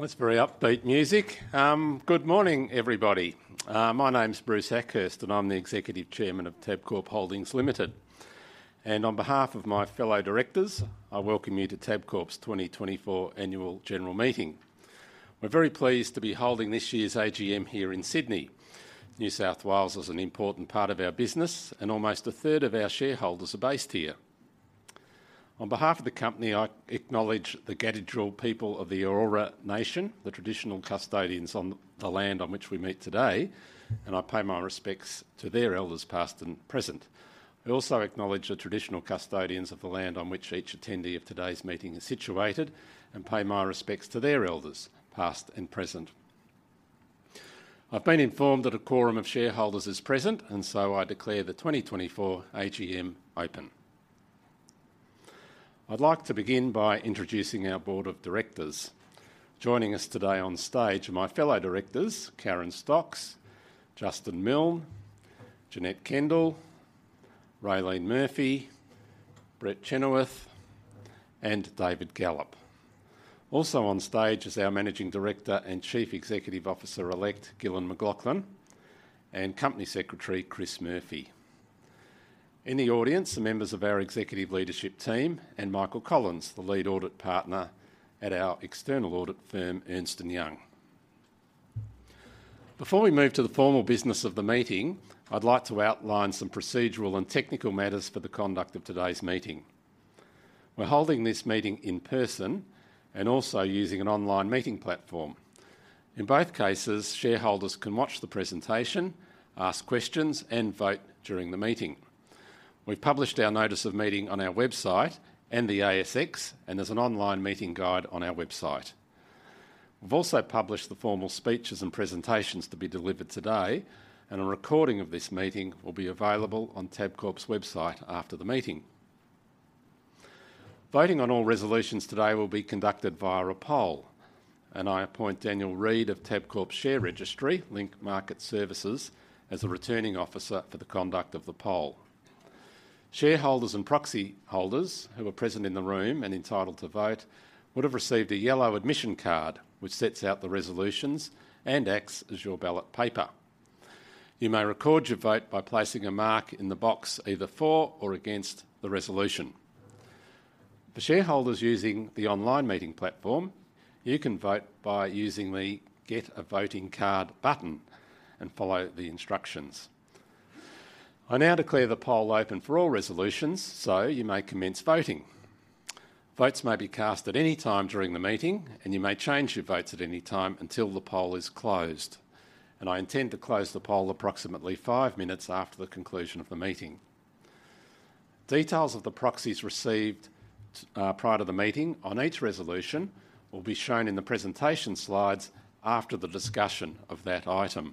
That's very upbeat music. Good morning, everybody. My name's Bruce Akhurst, and I'm the Executive Chairman of Tabcorp Holdings Limited. And on behalf of my fellow directors, I welcome you to Tabcorp's 2024 Annual General Meeting. We're very pleased to be holding this year's AGM here in Sydney. New South Wales is an important part of our business, and almost a third of our shareholders are based here. On behalf of the company, I acknowledge the Gadigal people of the Eora Nation, the traditional custodians on the land on which we meet today, and I pay my respects to their elders, past and present. We also acknowledge the traditional custodians of the land on which each attendee of today's meeting is situated, and pay my respects to their elders, past and present. I've been informed that a quorum of shareholders is present, and so I declare the 2024 AGM open. I'd like to begin by introducing our board of directors. Joining us today on stage are my fellow directors, Karen Stocks, Justin Milne, Janette Kendall, Raelene Murphy, Brett Chenoweth, and David Gallop. Also on stage is our Managing Director and Chief Executive Officer-elect, Gillon McLachlan, and Company Secretary, Chris Murphy. In the audience, the members of our executive leadership team, and Michael Collins, the Lead Audit Partner at our external audit firm, Ernst & Young. Before we move to the formal business of the meeting, I'd like to outline some procedural and technical matters for the conduct of today's meeting. We're holding this meeting in person and also using an online meeting platform. In both cases, shareholders can watch the presentation, ask questions, and vote during the meeting. We've published our notice of meeting on our website and the ASX, and there's an online meeting guide on our website. We've also published the formal speeches and presentations to be delivered today, and a recording of this meeting will be available on Tabcorp's website after the meeting. Voting on all resolutions today will be conducted via a poll, and I appoint Daniel Reid of Link Market Services as the Returning Officer for the conduct of the poll. Shareholders and proxy holders who are present in the room and entitled to vote would have received a yellow admission card, which sets out the resolutions and acts as your ballot paper. You may record your vote by placing a mark in the box either for or against the resolution. For shareholders using the online meeting platform, you can vote by using the Get a Voting Card button and follow the instructions. I now declare the poll open for all resolutions, so you may commence voting. Votes may be cast at any time during the meeting, and you may change your votes at any time until the poll is closed, and I intend to close the poll approximately five minutes after the conclusion of the meeting. Details of the proxies received prior to the meeting on each resolution will be shown in the presentation slides after the discussion of that item.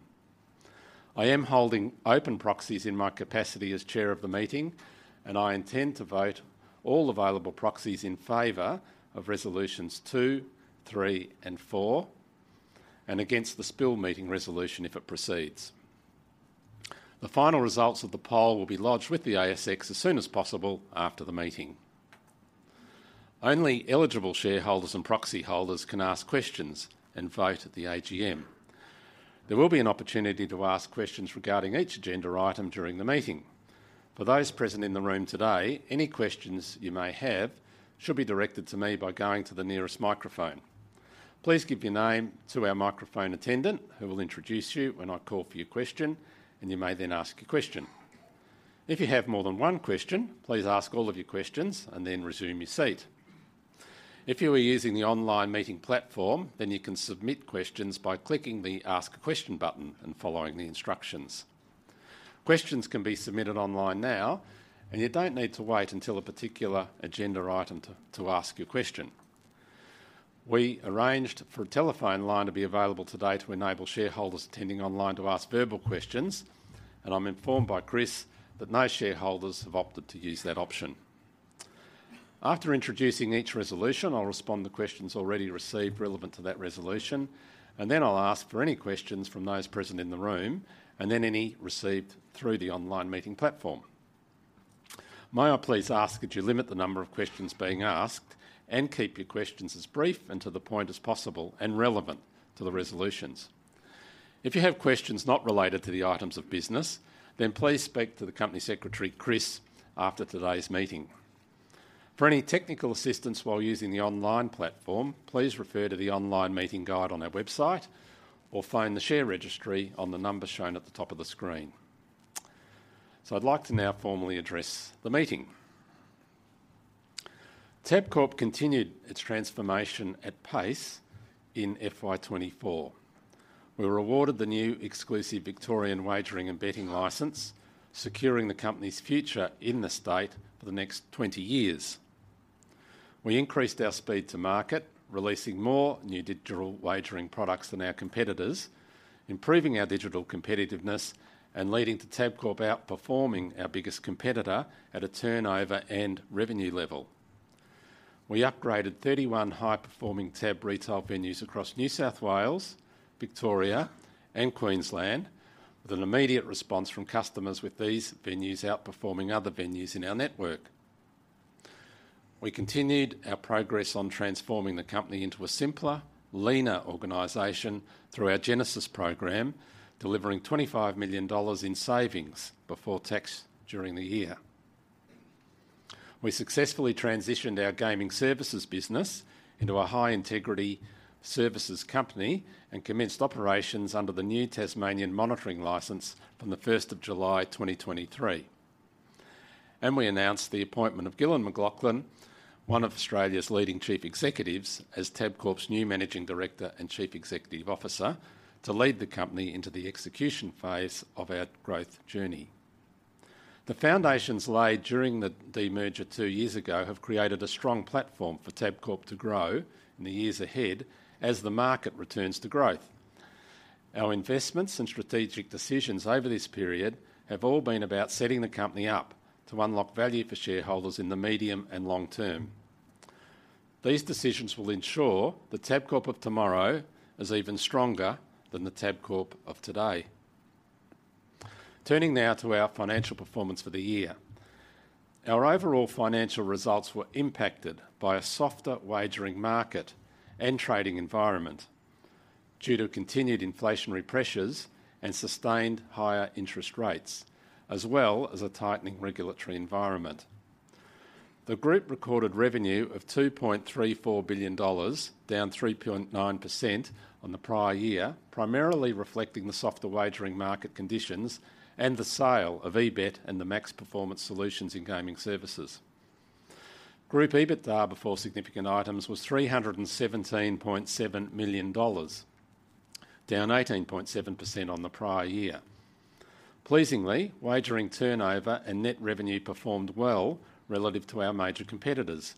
I am holding open proxies in my capacity as Chair of the meeting, and I intend to vote all available proxies in favor of resolutions two, three, and four, and against the spill meeting resolution if it proceeds. The final results of the poll will be lodged with the ASX as soon as possible after the meeting. Only eligible shareholders and proxy holders can ask questions and vote at the AGM. There will be an opportunity to ask questions regarding each agenda item during the meeting. For those present in the room today, any questions you may have should be directed to me by going to the nearest microphone. Please give your name to our microphone attendant, who will introduce you when I call for your question, and you may then ask your question. If you have more than one question, please ask all of your questions and then resume your seat. If you are using the online meeting platform, then you can submit questions by clicking the Ask a Question button and following the instructions. Questions can be submitted online now, and you don't need to wait until a particular agenda item to ask your question. We arranged for a telephone line to be available today to enable shareholders attending online to ask verbal questions, and I'm informed by Chris that no shareholders have opted to use that option. After introducing each resolution, I'll respond to questions already received relevant to that resolution, and then I'll ask for any questions from those present in the room, and then any received through the online meeting platform. May I please ask that you limit the number of questions being asked and keep your questions as brief and to the point as possible and relevant to the resolutions? If you have questions not related to the items of business, then please speak to the Company Secretary, Chris, after today's meeting. For any technical assistance while using the online platform, please refer to the online meeting guide on our website or phone the share registry on the number shown at the top of the screen. So I'd like to now formally address the meeting. Tabcorp continued its transformation at pace in FY 2024. We were awarded the new exclusive Victorian wagering and betting license, securing the company's future in the state for the next twenty years. We increased our speed to market, releasing more new digital wagering products than our competitors, improving our digital competitiveness, and leading to Tabcorp outperforming our biggest competitor at a turnover and revenue level. We upgraded thirty-one high-performing Tab retail venues across New South Wales, Victoria, and Queensland, with an immediate response from customers, with these venues outperforming other venues in our network. We continued our progress on transforming the company into a simpler, leaner organization through our Genesis program, delivering 25 million dollars in savings before tax during the year. We successfully transitioned our gaming services business into a high-integrity services company and commenced operations under the new Tasmanian monitoring license from the first of July 2023. We announced the appointment of Gillon McLachlan, one of Australia's leading chief executives, as Tabcorp's new Managing Director and Chief Executive Officer, to lead the company into the execution phase of our growth journey. The foundations laid during the demerger two years ago have created a strong platform for Tabcorp to grow in the years ahead as the market returns to growth. Our investments and strategic decisions over this period have all been about setting the company up to unlock value for shareholders in the medium and long term. These decisions will ensure the Tabcorp of tomorrow is even stronger than the Tabcorp of today. Turning now to our financial performance for the year. Our overall financial results were impacted by a softer wagering market and trading environment due to continued inflationary pressures and sustained higher interest rates, as well as a tightening regulatory environment. The group recorded revenue of 2.34 billion dollars, down 3.9% on the prior year, primarily reflecting the softer wagering market conditions and the sale of eBet and the MAX Performance Solutions in gaming services. Group EBITDA before significant items was 317.7 million dollars, down 18.7% on the prior year. Pleasingly, wagering turnover and net revenue performed well relative to our major competitors,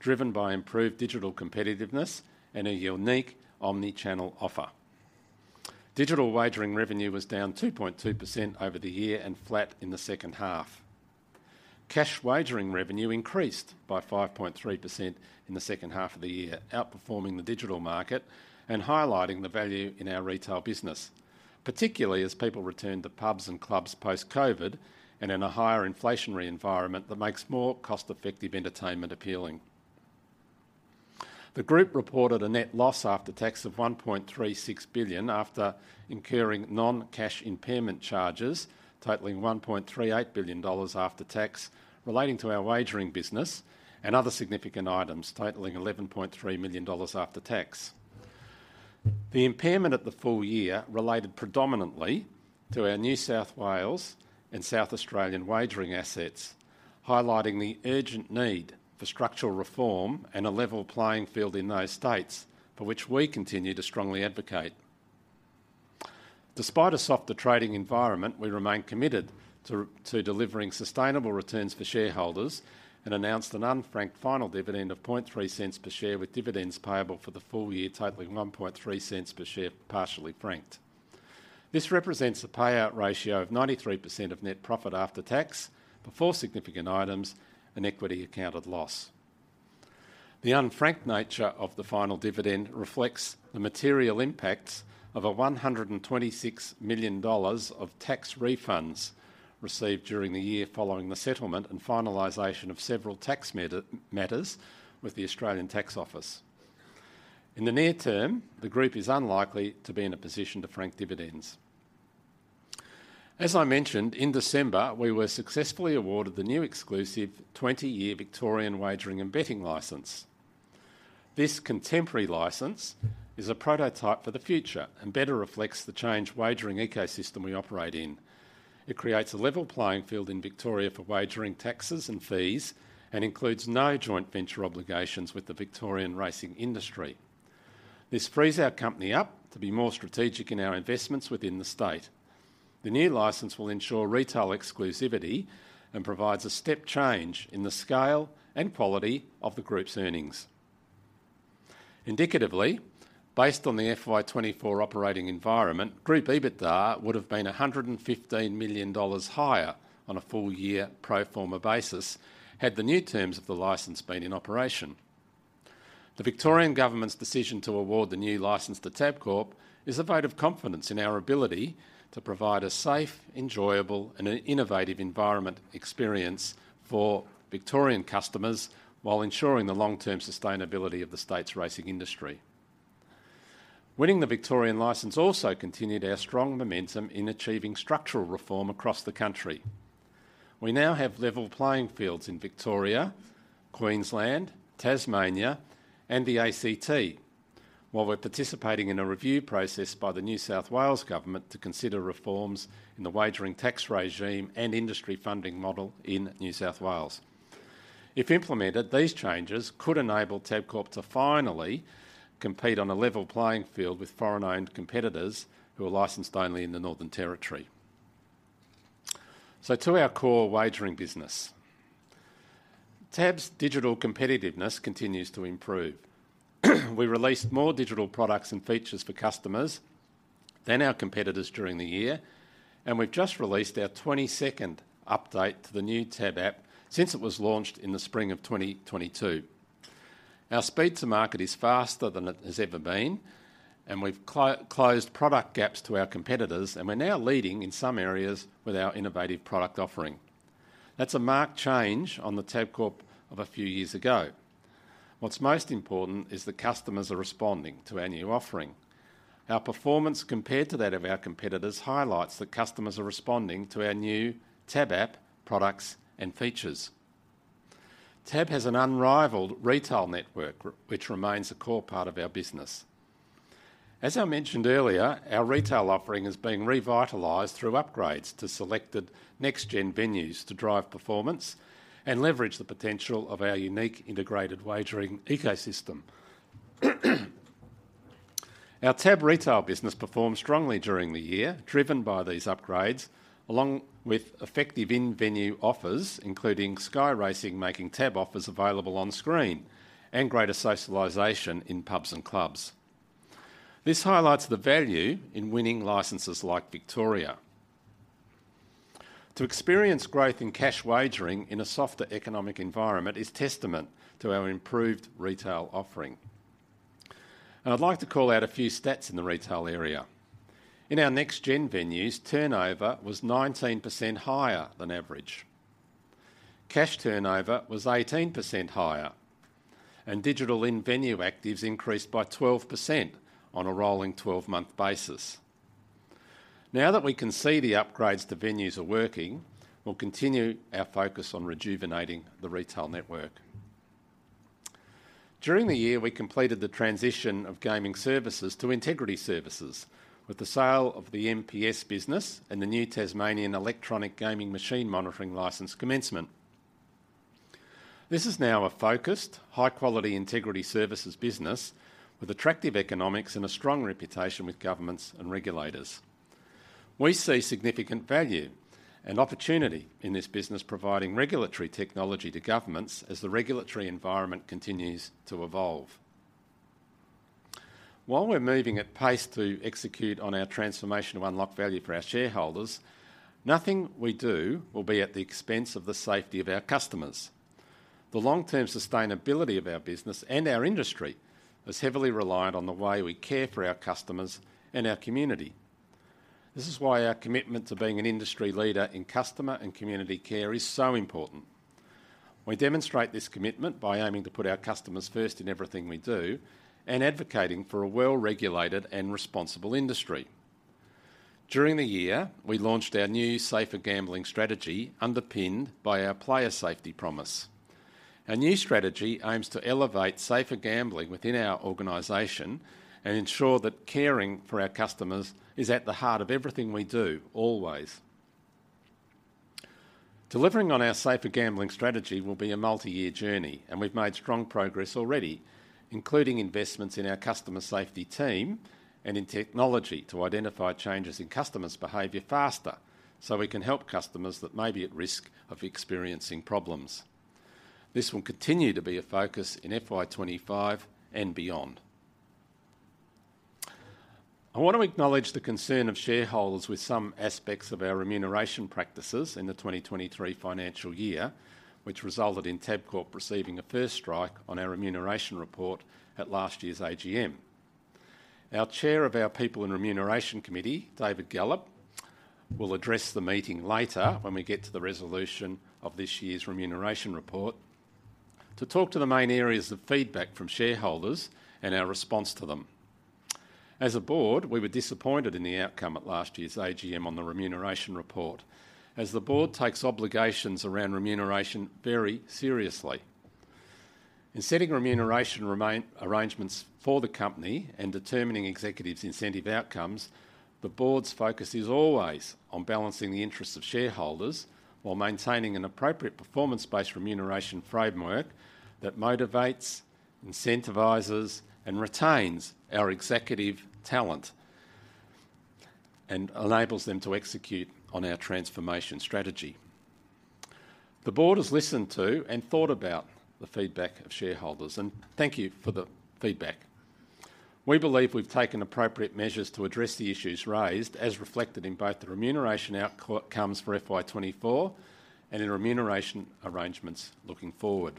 driven by improved digital competitiveness and a unique omni-channel offer. Digital wagering revenue was down 2.2% over the year and flat in the second half. Cash wagering revenue increased by 5.3% in the second half of the year, outperforming the digital market and highlighting the value in our retail business, particularly as people returned to pubs and clubs post-COVID and in a higher inflationary environment that makes more cost-effective entertainment appealing. The group reported a net loss after tax of 1.36 billion after incurring non-cash impairment charges totaling 1.38 billion dollars after tax, relating to our wagering business and other significant items totaling 11.3 million dollars after tax. The impairment of the full year related predominantly to our New South Wales and South Australian wagering assets, highlighting the urgent need for structural reform and a level playing field in those states, for which we continue to strongly advocate. Despite a softer trading environment, we remain committed to delivering sustainable returns for shareholders and announced an unfranked final dividend of 0.003 per share, with dividends payable for the full year totaling 0.013 per share, partially franked. This represents a payout ratio of 93% of net profit after tax, before significant items and equity accounted loss. The unfranked nature of the final dividend reflects the material impacts of 126 million dollars of tax refunds received during the year following the settlement and finalization of several tax matters with the Australian Taxation Office. In the near term, the group is unlikely to be in a position to frank dividends. As I mentioned, in December, we were successfully awarded the new exclusive 20-year Victorian wagering and betting license. This contemporary license is a prototype for the future and better reflects the changed wagering ecosystem we operate in. It creates a level playing field in Victoria for wagering taxes and fees, and includes no joint venture obligations with the Victorian racing industry. This frees our company up to be more strategic in our investments within the state. The new license will ensure retail exclusivity and provides a step change in the scale and quality of the group's earnings. Indicatively, based on the FY 2024 operating environment, group EBITDA would have been 115 million dollars higher on a full year pro forma basis, had the new terms of the license been in operation. The Victorian government's decision to award the new license to Tabcorp is a vote of confidence in our ability to provide a safe, enjoyable, and an innovative environment experience for Victorian customers while ensuring the long-term sustainability of the state's racing industry. Winning the Victorian licence also continued our strong momentum in achieving structural reform across the country. We now have level playing fields in Victoria, Queensland, Tasmania, and the ACT, while we're participating in a review process by the New South Wales Government to consider reforms in the wagering tax regime and industry funding model in New South Wales. If implemented, these changes could enable Tabcorp to finally compete on a level playing field with foreign-owned competitors who are licensed only in the Northern Territory. So to our core wagering business. Tab's digital competitiveness continues to improve. We released more digital products and features for customers than our competitors during the year, and we've just released our 22nd update to the new TAB app since it was launched in the spring of 2022. Our speed to market is faster than it has ever been, and we've closed product gaps to our competitors, and we're now leading in some areas with our innovative product offering. That's a marked change on the Tabcorp of a few years ago. What's most important is that customers are responding to our new offering. Our performance, compared to that of our competitors, highlights that customers are responding to our new TAB app, products, and features. TAB has an unrivalled retail network which remains a core part of our business. As I mentioned earlier, our retail offering is being revitalized through upgrades to selected next-gen venues to drive performance and leverage the potential of our unique integrated wagering ecosystem. Our TAB retail business performed strongly during the year, driven by these upgrades, along with effective in-venue offers, including Sky Racing, making TAB offers available on screen, and greater socialization in pubs and clubs. This highlights the value in winning licenses like Victoria. To experience growth in cash wagering in a softer economic environment is testament to our improved retail offering. I’d like to call out a few stats in the retail area. In our next-gen venues, turnover was 19% higher than average. Cash turnover was 18% higher, and digital in-venue actives increased by 12% on a rolling twelve-month basis. Now that we can see the upgrades to venues are working, we'll continue our focus on rejuvenating the retail network. During the year, we completed the transition of gaming services to Integrity Services, with the sale of the MPS business and the new Tasmanian electronic gaming machine monitoring license commencement. This is now a focused, high-quality integrity services business with attractive economics and a strong reputation with governments and regulators. We see significant value and opportunity in this business, providing regulatory technology to governments as the regulatory environment continues to evolve. While we're moving at pace to execute on our transformation to unlock value for our shareholders, nothing we do will be at the expense of the safety of our customers. The long-term sustainability of our business and our industry is heavily reliant on the way we care for our customers and our community. This is why our commitment to being an industry leader in customer and community care is so important. We demonstrate this commitment by aiming to put our customers first in everything we do and advocating for a well-regulated and responsible industry. During the year, we launched our new Safer Gambling strategy, underpinned by our player safety promise. Our new strategy aims to elevate safer gambling within our organization and ensure that caring for our customers is at the heart of everything we do, always. Delivering on our Safer Gambling strategy will be a multi-year journey, and we've made strong progress already, including investments in our customer safety team and in technology to identify changes in customers' behavior faster, so we can help customers that may be at risk of experiencing problems. This will continue to be a focus in FY 2025 and beyond. I want to acknowledge the concern of shareholders with some aspects of our remuneration practices in the 2023 financial year, which resulted in Tabcorp receiving a first strike on our remuneration report at last year's AGM. Our Chair of our People and Remuneration Committee, David Gallop, will address the meeting later when we get to the resolution of this year's remuneration report to talk to the main areas of feedback from shareholders and our response to them. As a board, we were disappointed in the outcome at last year's AGM on the remuneration report, as the board takes obligations around remuneration very seriously. In setting remuneration arrangements for the company and determining executives' incentive outcomes, the board's focus is always on balancing the interests of shareholders while maintaining an appropriate performance-based remuneration framework that motivates, incentivizes, and retains our executive talent, and enables them to execute on our transformation strategy. The board has listened to and thought about the feedback of shareholders, and thank you for the feedback. We believe we've taken appropriate measures to address the issues raised, as reflected in both the remuneration outcomes for FY 2024 and in remuneration arrangements looking forward.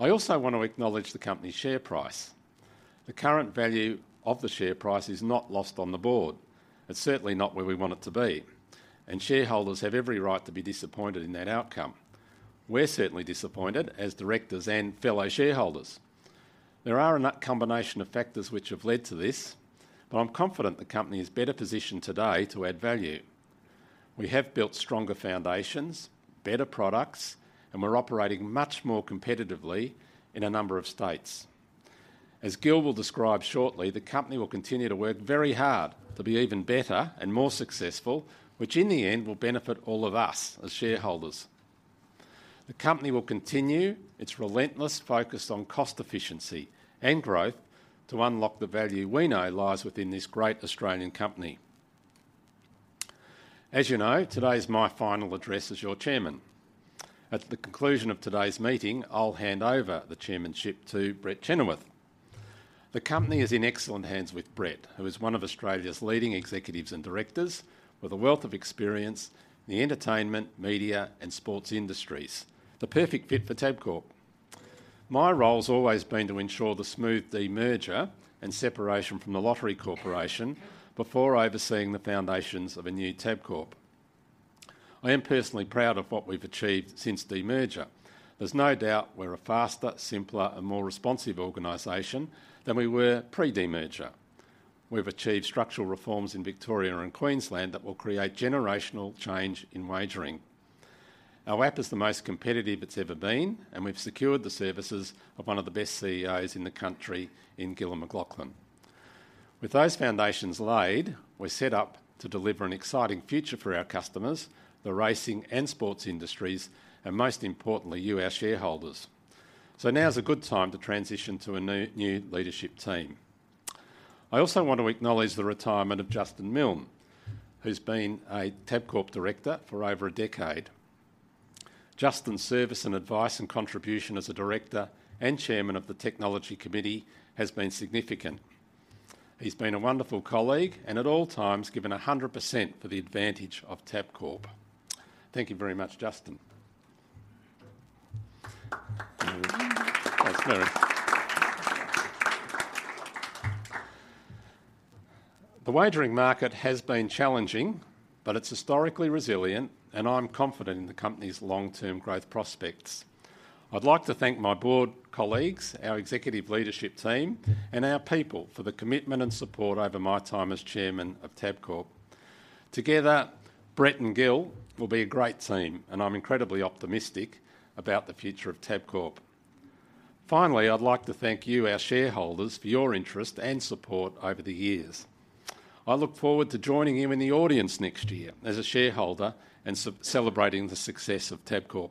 I also want to acknowledge the company's share price. The current value of the share price is not lost on the board. It's certainly not where we want it to be, and shareholders have every right to be disappointed in that outcome. We're certainly disappointed as directors and fellow shareholders. There are a number of factors which have led to this, but I'm confident the company is better positioned today to add value. We have built stronger foundations, better products, and we're operating much more competitively in a number of states. As Gil will describe shortly, the company will continue to work very hard to be even better and more successful, which, in the end, will benefit all of us as shareholders. The company will continue its relentless focus on cost efficiency and growth to unlock the value we know lies within this great Australian company. As you know, today is my final address as your Chairman. At the conclusion of today's meeting, I'll hand over the chairmanship to Brett Chenoweth. The company is in excellent hands with Brett, who is one of Australia's leading executives and directors, with a wealth of experience in the entertainment, media, and sports industries. The perfect fit for Tabcorp. My role's always been to ensure the smooth demerger and separation from the Lottery Corporation before overseeing the foundations of a new Tabcorp. I am personally proud of what we've achieved since demerger. There's no doubt we're a faster, simpler, and more responsive organization than we were pre-demerger. We've achieved structural reforms in Victoria and Queensland that will create generational change in wagering. Our app is the most competitive it's ever been, and we've secured the services of one of the best CEOs in the country in Gillon McLachlan. With those foundations laid, we're set up to deliver an exciting future for our customers, the racing and sports industries, and most importantly, you, our shareholders. So now is a good time to transition to a new leadership team. I also want to acknowledge the retirement of Justin Milne, who's been a Tabcorp director for over a decade. Justin's service and advice and contribution as a director and chairman of the technology committee has been significant. He's been a wonderful colleague, and at all times, given 100% for the advantage of Tabcorp. Thank you very much, Justin. Thanks, Mary. The wagering market has been challenging, but it's historically resilient, and I'm confident in the company's long-term growth prospects. I'd like to thank my board colleagues, our executive leadership team, and our people for the commitment and support over my time as chairman of Tabcorp. Together, Brett and Gil will be a great team, and I'm incredibly optimistic about the future of Tabcorp. Finally, I'd like to thank you, our shareholders, for your interest and support over the years. I look forward to joining you in the audience next year as a shareholder and celebrating the success of Tabcorp.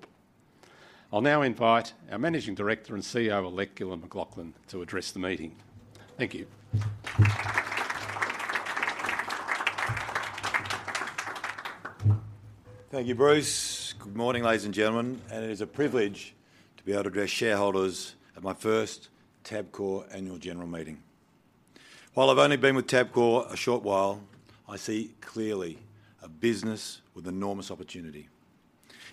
I'll now invite our Managing Director and CEO-elect, Gil McLachlan, to address the meeting. Thank you. Thank you, Bruce. Good morning, ladies and gentlemen, and it is a privilege to be able to address shareholders at my first Tabcorp Annual General Meeting. While I've only been with Tabcorp a short while, I see clearly a business with enormous opportunity.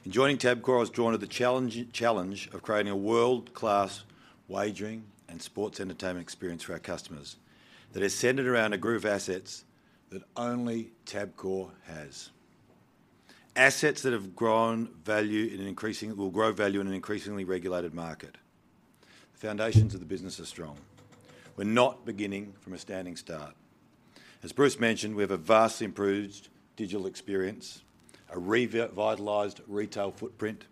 In joining Tabcorp, I was drawn to the challenge of creating a world-class wagering and sports entertainment experience for our customers that is centered around a group of assets that only Tabcorp has. Assets that have grown value will grow value in an increasingly regulated market. The foundations of the business are strong. We're not beginning from a standing start. As Bruce mentioned, we have a vastly improved digital experience, a revitalized retail footprint,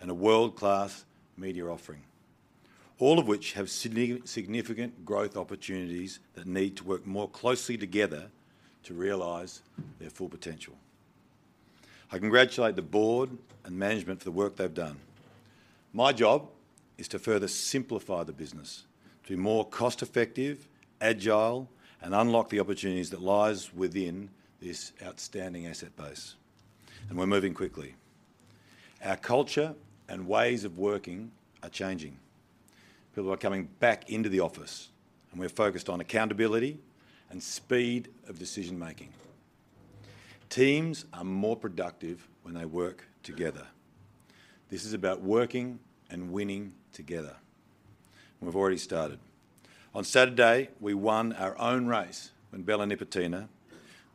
and a world-class media offering, all of which have significant growth opportunities that need to work more closely together to realize their full potential. I congratulate the board and management for the work they've done. My job is to further simplify the business, to be more cost-effective, agile, and unlock the opportunities that lies within this outstanding asset base, and we're moving quickly. Our culture and ways of working are changing. People are coming back into the office, and we're focused on accountability and speed of decision-making. Teams are more productive when they work together. This is about working and winning together, and we've already started. On Saturday, we won our own race when Bella Nipotina,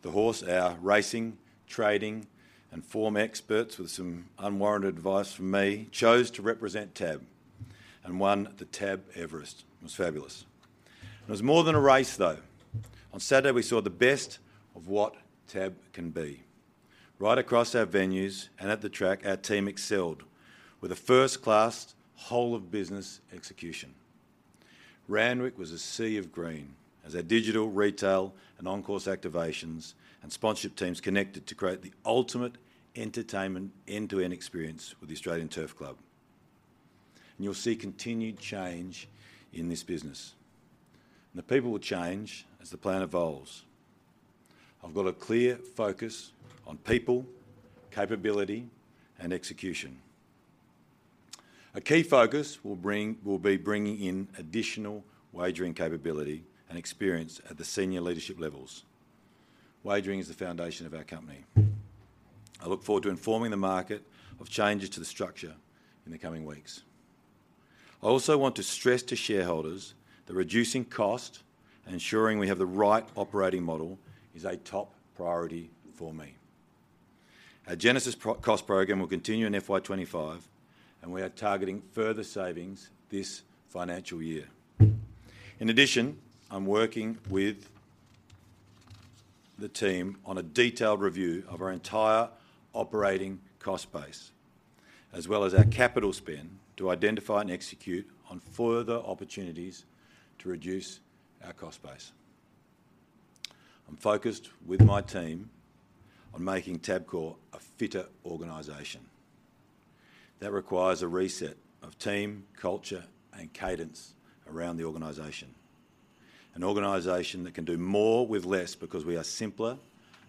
the horse our racing, trading, and form experts, with some unwarranted advice from me, chose to represent TAB and won the TAB Everest. It was fabulous. It was more than a race, though. On Saturday, we saw the best of what TAB can be. Right across our venues and at the track, our team excelled with a first-class whole of business execution. Randwick was a sea of green, as our digital, retail, and on-course activations and sponsorship teams connected to create the ultimate entertainment end-to-end experience with the Australian Turf Club. And you'll see continued change in this business, and the people will change as the plan evolves. I've got a clear focus on people, capability, and execution. A key focus will bring, will be bringing in additional wagering capability and experience at the senior leadership levels. Wagering is the foundation of our company. I look forward to informing the market of changes to the structure in the coming weeks. I also want to stress to shareholders that reducing cost and ensuring we have the right operating model is a top priority for me. Our Genesis program will continue in FY 2025, and we are targeting further savings this financial year. In addition, I'm working with the team on a detailed review of our entire operating cost base, as well as our capital spend, to identify and execute on further opportunities to reduce our cost base. I'm focused with my team on making Tabcorp a fitter organization. That requires a reset of team, culture, and cadence around the organization. An organization that can do more with less because we are a simpler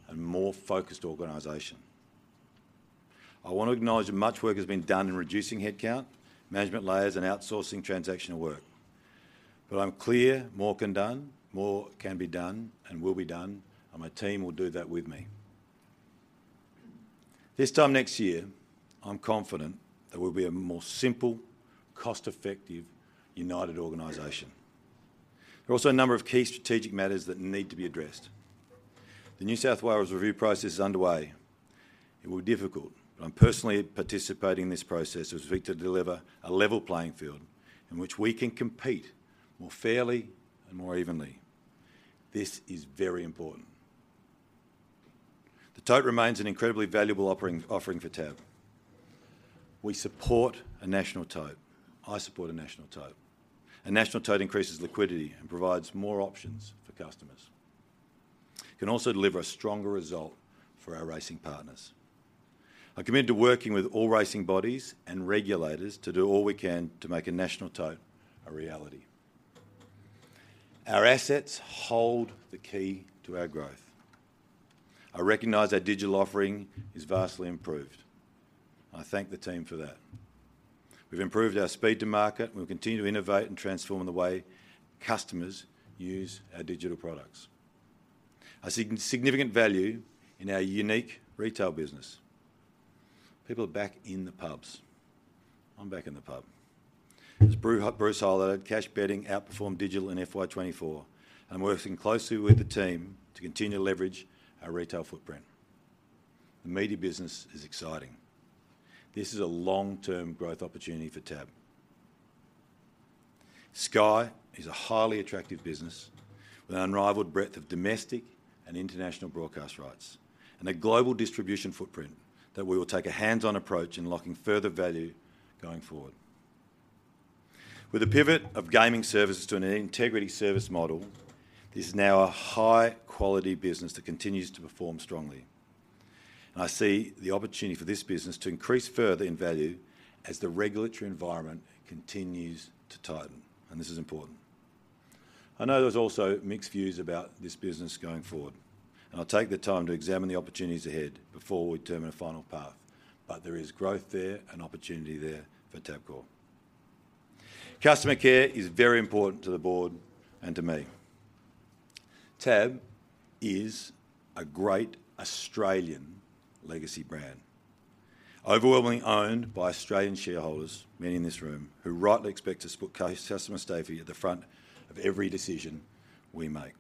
and more focused organization.... I want to acknowledge that much work has been done in reducing headcount, management layers, and outsourcing transactional work. But I'm clear more can be done, more can be done and will be done, and my team will do that with me. This time next year, I'm confident that we'll be a more simple, cost-effective, united organization. There are also a number of key strategic matters that need to be addressed. The New South Wales review process is underway. It will be difficult, but I'm personally participating in this process as we look to deliver a level playing field in which we can compete more fairly and more evenly. This is very important. The Tote remains an incredibly valuable offering for TAB. We support a national tote. I support a national tote. A national tote increases liquidity and provides more options for customers. It can also deliver a stronger result for our racing partners. I commit to working with all racing bodies and regulators to do all we can to make a national tote a reality. Our assets hold the key to our growth. I recognize our digital offering is vastly improved. I thank the team for that. We've improved our speed to market, and we'll continue to innovate and transform the way customers use our digital products. I see significant value in our unique retail business. People are back in the pubs. I'm back in the pub. As Bruce highlighted, cash betting outperformed digital in FY 2024, and I'm working closely with the team to continue to leverage our retail footprint. The media business is exciting. This is a long-term growth opportunity for TAB. Sky is a highly attractive business with an unrivaled breadth of domestic and international broadcast rights and a global distribution footprint that we will take a hands-on approach in locking further value going forward. With the pivot of gaming services to an integrity service model, this is now a high-quality business that continues to perform strongly, and I see the opportunity for this business to increase further in value as the regulatory environment continues to tighten, and this is important. I know there's also mixed views about this business going forward, and I'll take the time to examine the opportunities ahead before we determine a final path, but there is growth there and opportunity there for Tabcorp. Customer care is very important to the board and to me. TAB is a great Australian legacy brand, overwhelmingly owned by Australian shareholders, many in this room, who rightly expect us to put customer safety at the front of every decision we make.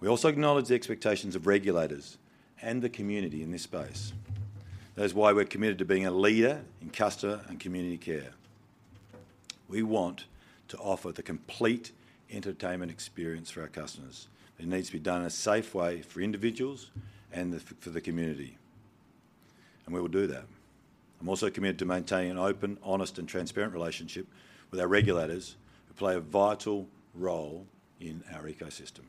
We also acknowledge the expectations of regulators and the community in this space. That is why we're committed to being a leader in customer and community care. We want to offer the complete entertainment experience for our customers. It needs to be done in a safe way for individuals and the, for the community, and we will do that. I'm also committed to maintaining an open, honest, and transparent relationship with our regulators, who play a vital role in our ecosystem.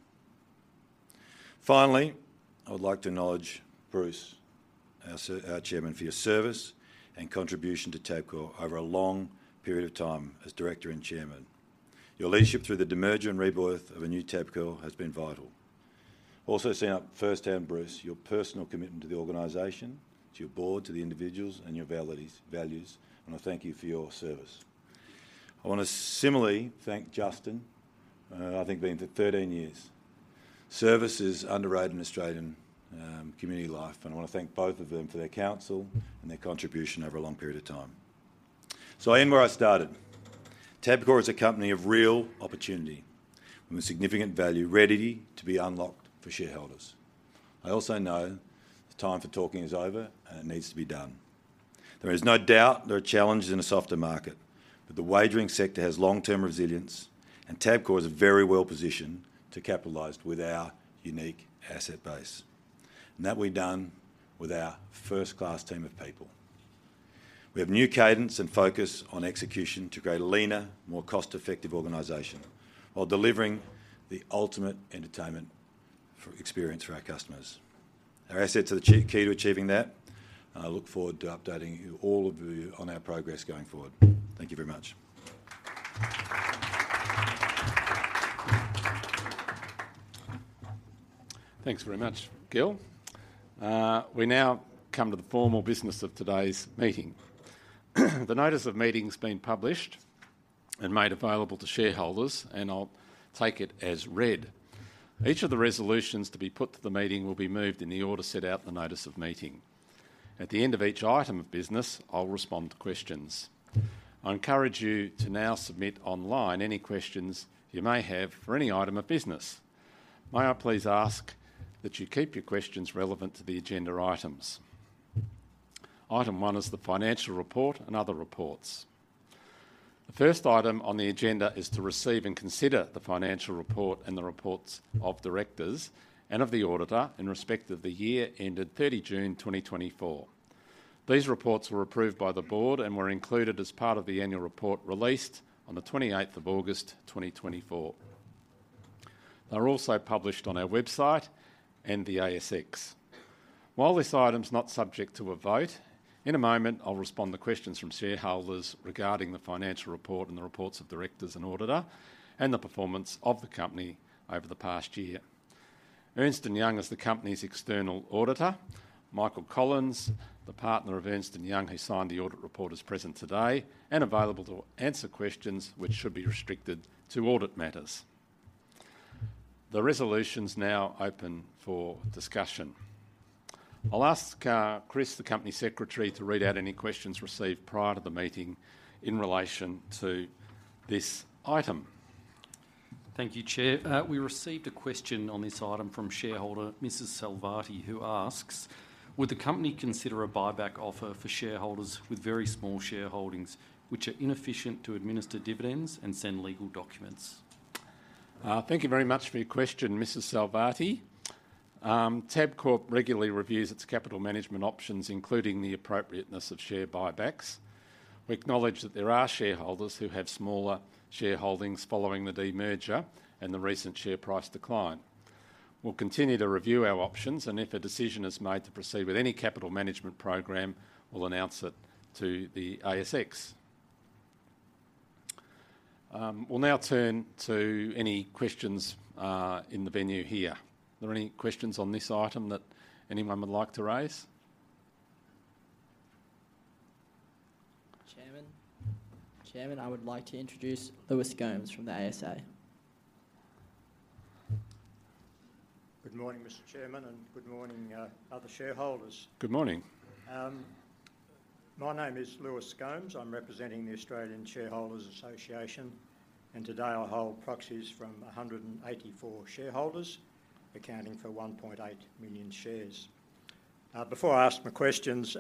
Finally, I would like to acknowledge Bruce, our Chairman, for your service and contribution to Tabcorp over a long period of time as director and chairman. Your leadership through the demerger and rebirth of a new Tabcorp has been vital. Also, I've seen firsthand, Bruce, your personal commitment to the organization, to your board, to the individuals, and your values, and I thank you for your service. I wanna similarly thank Justin, I think being here for thirteen years. Service is underrated in Australian, community life, and I wanna thank both of them for their counsel and their contribution over a long period of time. So I end where I started. Tabcorp is a company of real opportunity, with significant value ready to be unlocked for shareholders. I also know the time for talking is over, and it needs to be done. There is no doubt there are challenges in a softer market, but the wagering sector has long-term resilience, and Tabcorp is very well-positioned to capitalize with our unique asset base, and that will be done with our first-class team of people. We have new cadence and focus on execution to create a leaner, more cost-effective organization while delivering the ultimate entertainment for- experience for our customers. Our assets are the key to achieving that, and I look forward to updating you, all of you, on our progress going forward. Thank you very much. Thanks very much, Gil. We now come to the formal business of today's meeting. The notice of meeting's been published and made available to shareholders, and I'll take it as read. Each of the resolutions to be put to the meeting will be moved in the order set out in the notice of meeting. At the end of each item of business, I'll respond to questions. I encourage you to now submit online any questions you may have for any item of business. May I please ask that you keep your questions relevant to the agenda items? Item one is the financial report and other reports. The first item on the agenda is to receive and consider the financial report and the reports of directors and of the auditor in respect of the year ended thirty June 2024. These reports were approved by the board and were included as part of the annual report released on the 28th of August 2024. They're also published on our website and the ASX. While this item is not subject to a vote, in a moment, I'll respond to questions from shareholders regarding the financial report and the reports of directors and auditor, and the performance of the company over the past year. Ernst & Young is the company's external auditor. Michael Collins, the partner of Ernst & Young, who signed the audit report, is present today and available to answer questions which should be restricted to audit matters. The resolution's now open for discussion. I'll ask, Chris, the company secretary, to read out any questions received prior to the meeting in relation to this item. Thank you, Chair. We received a question on this item from shareholder Mrs. Salvati, who asks: "Would the company consider a buyback offer for shareholders with very small shareholdings, which are inefficient to administer dividends and send legal documents? Thank you very much for your question, Mrs. Salvati. Tabcorp regularly reviews its capital management options, including the appropriateness of share buybacks. We acknowledge that there are shareholders who have smaller shareholdings following the demerger and the recent share price decline. We'll continue to review our options, and if a decision is made to proceed with any capital management program, we'll announce it to the ASX. We'll now turn to any questions in the venue here. Are there any questions on this item that anyone would like to raise? Chairman, I would like to introduce Lewis Gomes from the ASA. Good morning, Mr. Chairman, and good morning, other shareholders. Good morning. My name is Lewis Gomes. I'm representing the Australian Shareholders Association, and today I hold proxies from 184 shareholders, accounting for 1.8 million shares. Before I ask my questions,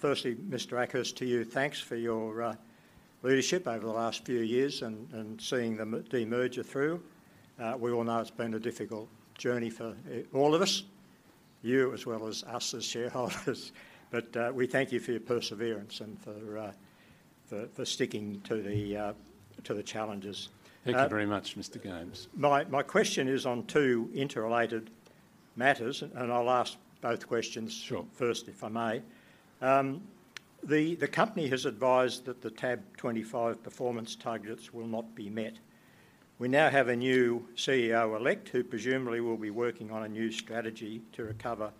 firstly, Mr. Akhurst, to you, thanks for your leadership over the last few years and seeing the demerger through. We all know it's been a difficult journey for all of us, you as well as us as shareholders. But we thank you for your perseverance and for sticking to the challenges. Thank you very much, Mr. Gomes. My question is on two interrelated matters, and I'll ask both questions- Sure first, if I may. The company has advised that the TAB 2025 performance targets will not be met. We now have a new CEO-elect, who presumably will be working on a new strategy to recover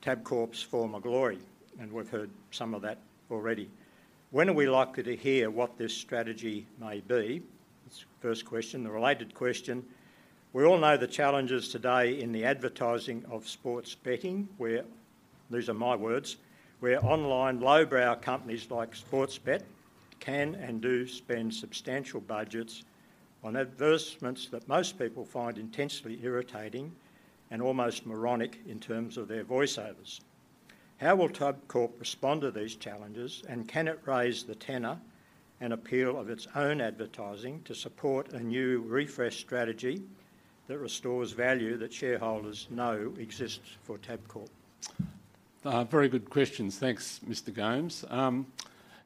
Tabcorp's former glory, and we've heard some of that already. When are we likely to hear what this strategy may be? That's the first question. The related question: we all know the challenges today in the advertising of sports betting, where, these are my words, where online lowbrow companies like Sportsbet can and do spend substantial budgets on advertisements that most people find intensely irritating and almost moronic in terms of their voiceovers. How will Tabcorp respond to these challenges, and can it raise the tenor and appeal of its own advertising to support a new refreshed strategy that restores value that shareholders know exists for Tabcorp? Very good questions. Thanks, Mr. Gomes.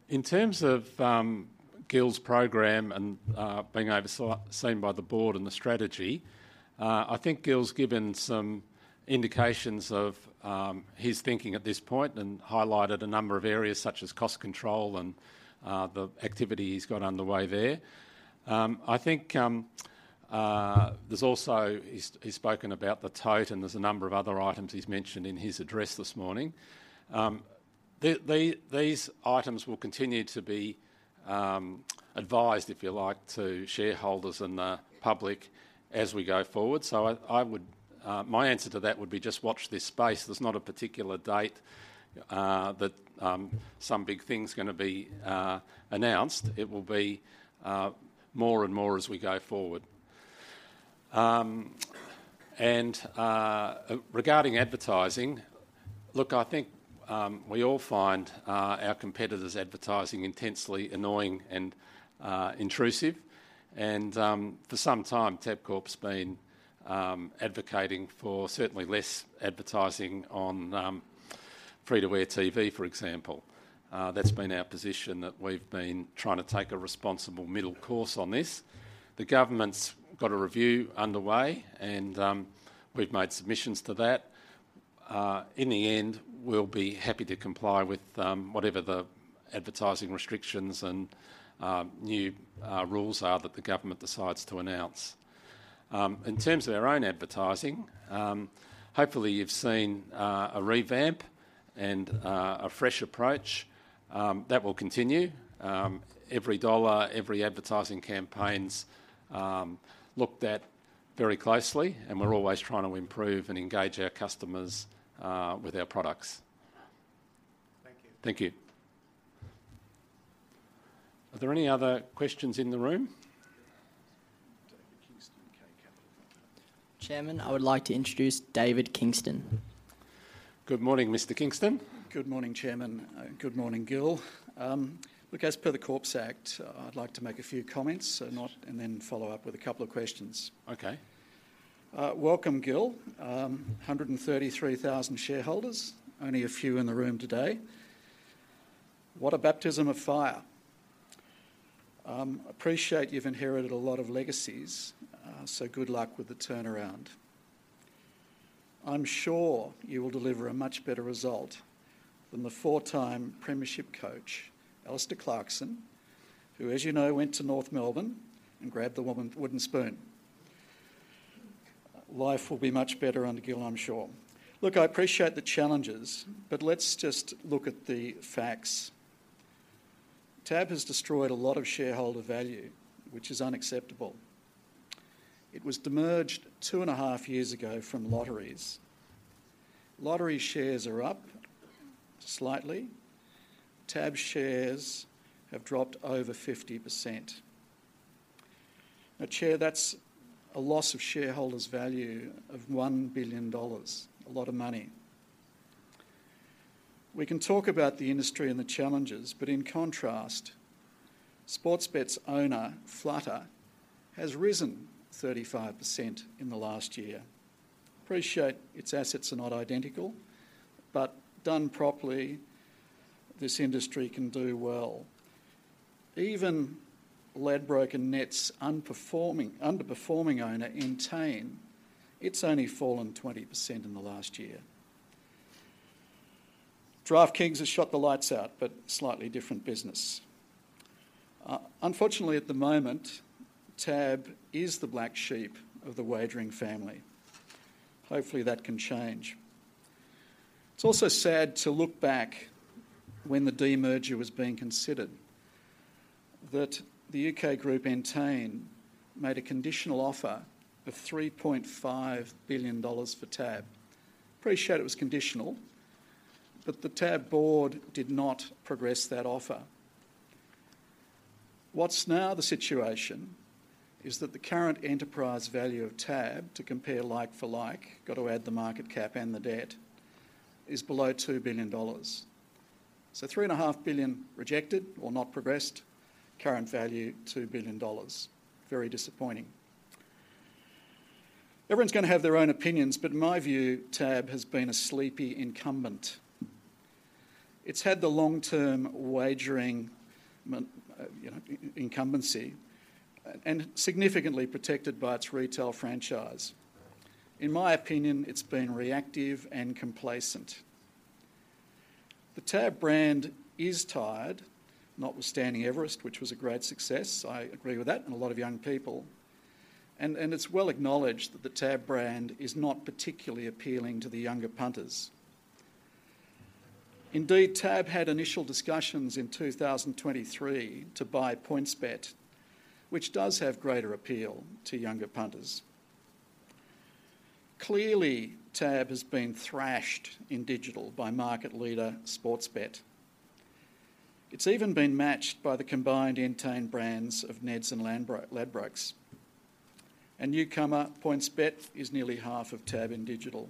In terms of Gil's program and being overseen by the board and the strategy, I think Gil's given some indications of his thinking at this point and highlighted a number of areas, such as cost control and the activity he's got underway there. I think there's also. He's spoken about the tote, and there's a number of other items he's mentioned in his address this morning. These items will continue to be advised, if you like, to shareholders and the public as we go forward. So I would... my answer to that would be just watch this space. There's not a particular date that some big thing's gonna be announced. It will be more and more as we go forward. Regarding advertising, look, I think we all find our competitors' advertising intensely annoying and intrusive. For some time, Tabcorp's been advocating for certainly less advertising on free-to-air TV, for example. That's been our position, that we've been trying to take a responsible middle course on this. The government's got a review underway, and we've made submissions to that. In the end, we'll be happy to comply with whatever the advertising restrictions and new rules are that the government decides to announce. In terms of our own advertising, hopefully, you've seen a revamp and a fresh approach. That will continue. Every dollar, every advertising campaign's looked at very closely, and we're always trying to improve and engage our customers with our products. Thank you. Thank you. Are there any other questions in the room? David Kingston, K Capital. Chairman, I would like to introduce David Kingston. Good morning, Mr. Kingston. Good morning, Chairman. Good morning, Gil. Look, as per the Corps Act, I'd like to make a few comments, if not, and then follow up with a couple of questions. Okay. Welcome, Gil. 133,000 shareholders, only a few in the room today. What a baptism of fire! Appreciate you've inherited a lot of legacies, so good luck with the turnaround. I'm sure you will deliver a much better result than the four-time premiership coach Alastair Clarkson, who, as you know, went to North Melbourne and grabbed the wooden spoon. Life will be much better under Gil, I'm sure. Look, I appreciate the challenges, but let's just look at the facts. TAB has destroyed a lot of shareholder value, which is unacceptable. It was demerged two and a half years ago from Lotteries. Lottery shares are up, slightly. TAB shares have dropped over 50%. Now, Chair, that's a loss of shareholders' value of 1 billion dollars, a lot of money. We can talk about the industry and the challenges, but in contrast, Sportsbet's owner, Flutter, has risen 35% in the last year. Appreciate its assets are not identical, but done properly, this industry can do well. Even Ladbrokes and Neds underperforming owner, Entain, it's only fallen 20% in the last year. DraftKings has shut the lights out, but slightly different business. Unfortunately, at the moment, TAB is the black sheep of the wagering family. Hopefully, that can change. It's also sad to look back when the demerger was being considered, that the U.K. group, Entain, made a conditional offer of 3.5 billion dollars for TAB. Appreciate it was conditional, but the TAB board did not progress that offer. What's now the situation is that the current enterprise value of TAB, to compare like for like, got to add the market cap and the debt, is below 2 billion dollars. So 3.5 billion rejected or not progressed, current value, 2 billion dollars. Very disappointing. Everyone's going to have their own opinions, but in my view, TAB has been a sleepy incumbent. It's had the long-term wagering, you know, incumbency, and significantly protected by its retail franchise. In my opinion, it's been reactive and complacent. The TAB brand is tired, notwithstanding Everest, which was a great success. I agree with that, and a lot of young people. And it's well acknowledged that the TAB brand is not particularly appealing to the younger punters. Indeed, TAB had initial discussions in 2023 to buy PointsBet, which does have greater appeal to younger punters. Clearly, TAB has been thrashed in digital by market leader, Sportsbet. It's even been matched by the combined Entain brands of Neds and Ladbrokes. And newcomer, PointsBet, is nearly half of TAB in digital.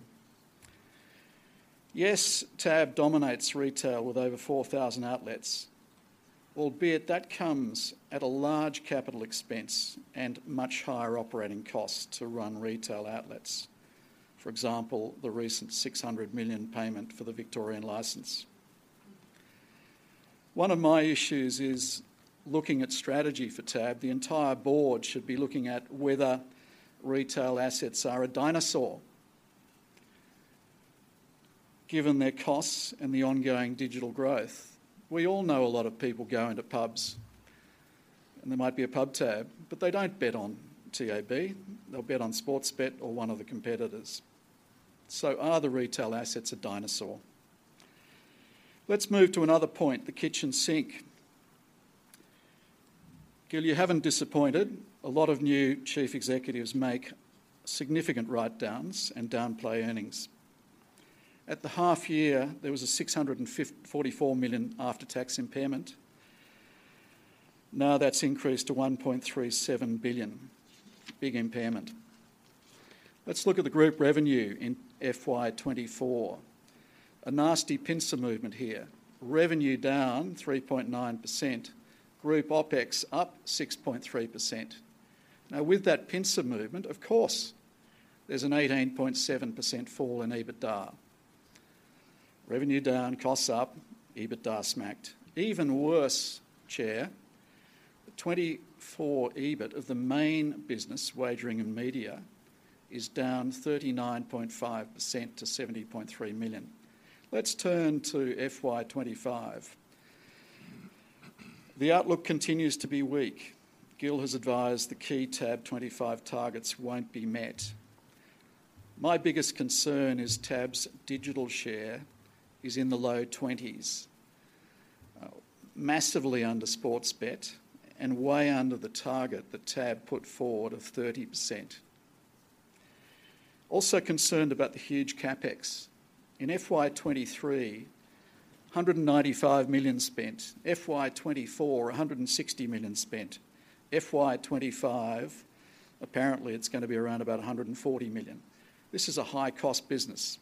Yes, TAB dominates retail with over 4,000 outlets, albeit that comes at a large capital expense and much higher operating costs to run retail outlets. For example, the recent 600 million payment for the Victorian licence. One of my issues is looking at strategy for TAB. The entire board should be looking at whether retail assets are a dinosaur, given their costs and the ongoing digital growth. We all know a lot of people go into pubs, and there might be a pub tab, but they don't bet on TAB. They'll bet on Sportsbet or one of the competitors. So are the retail assets a dinosaur? Let's move to another point, the kitchen sink. Gil, you haven't disappointed. A lot of new chief executives make significant write-downs and downplay earnings. At the half year, there was a $654 million after-tax impairment. Now, that's increased to $1.37 billion. Big impairment. Let's look at the group revenue in FY 2024. A nasty pincer movement here. Revenue down 3.9%. Group OpEx up 6.3%. Now, with that pincer movement, of course, there's an 18.7% fall in EBITDA. Revenue down, costs up, EBITDA smacked. Even worse, Chair, the 2024 EBIT of the main business, Wagering and Media, is down 39.5% to $70.3 million. Let's turn to FY 2025. The outlook continues to be weak. Gil has advised the key TAB 2025 targets won't be met. My biggest concern is TAB's digital share is in the low 20s. Massively under Sportsbet and way under the target that TAB put forward of 30%. Also concerned about the huge CapEx. In FY 2023, $195 million spent. FY 2024, $160 million spent. FY 2025, apparently, it's going to be around about $140 million. This is a high-cost business.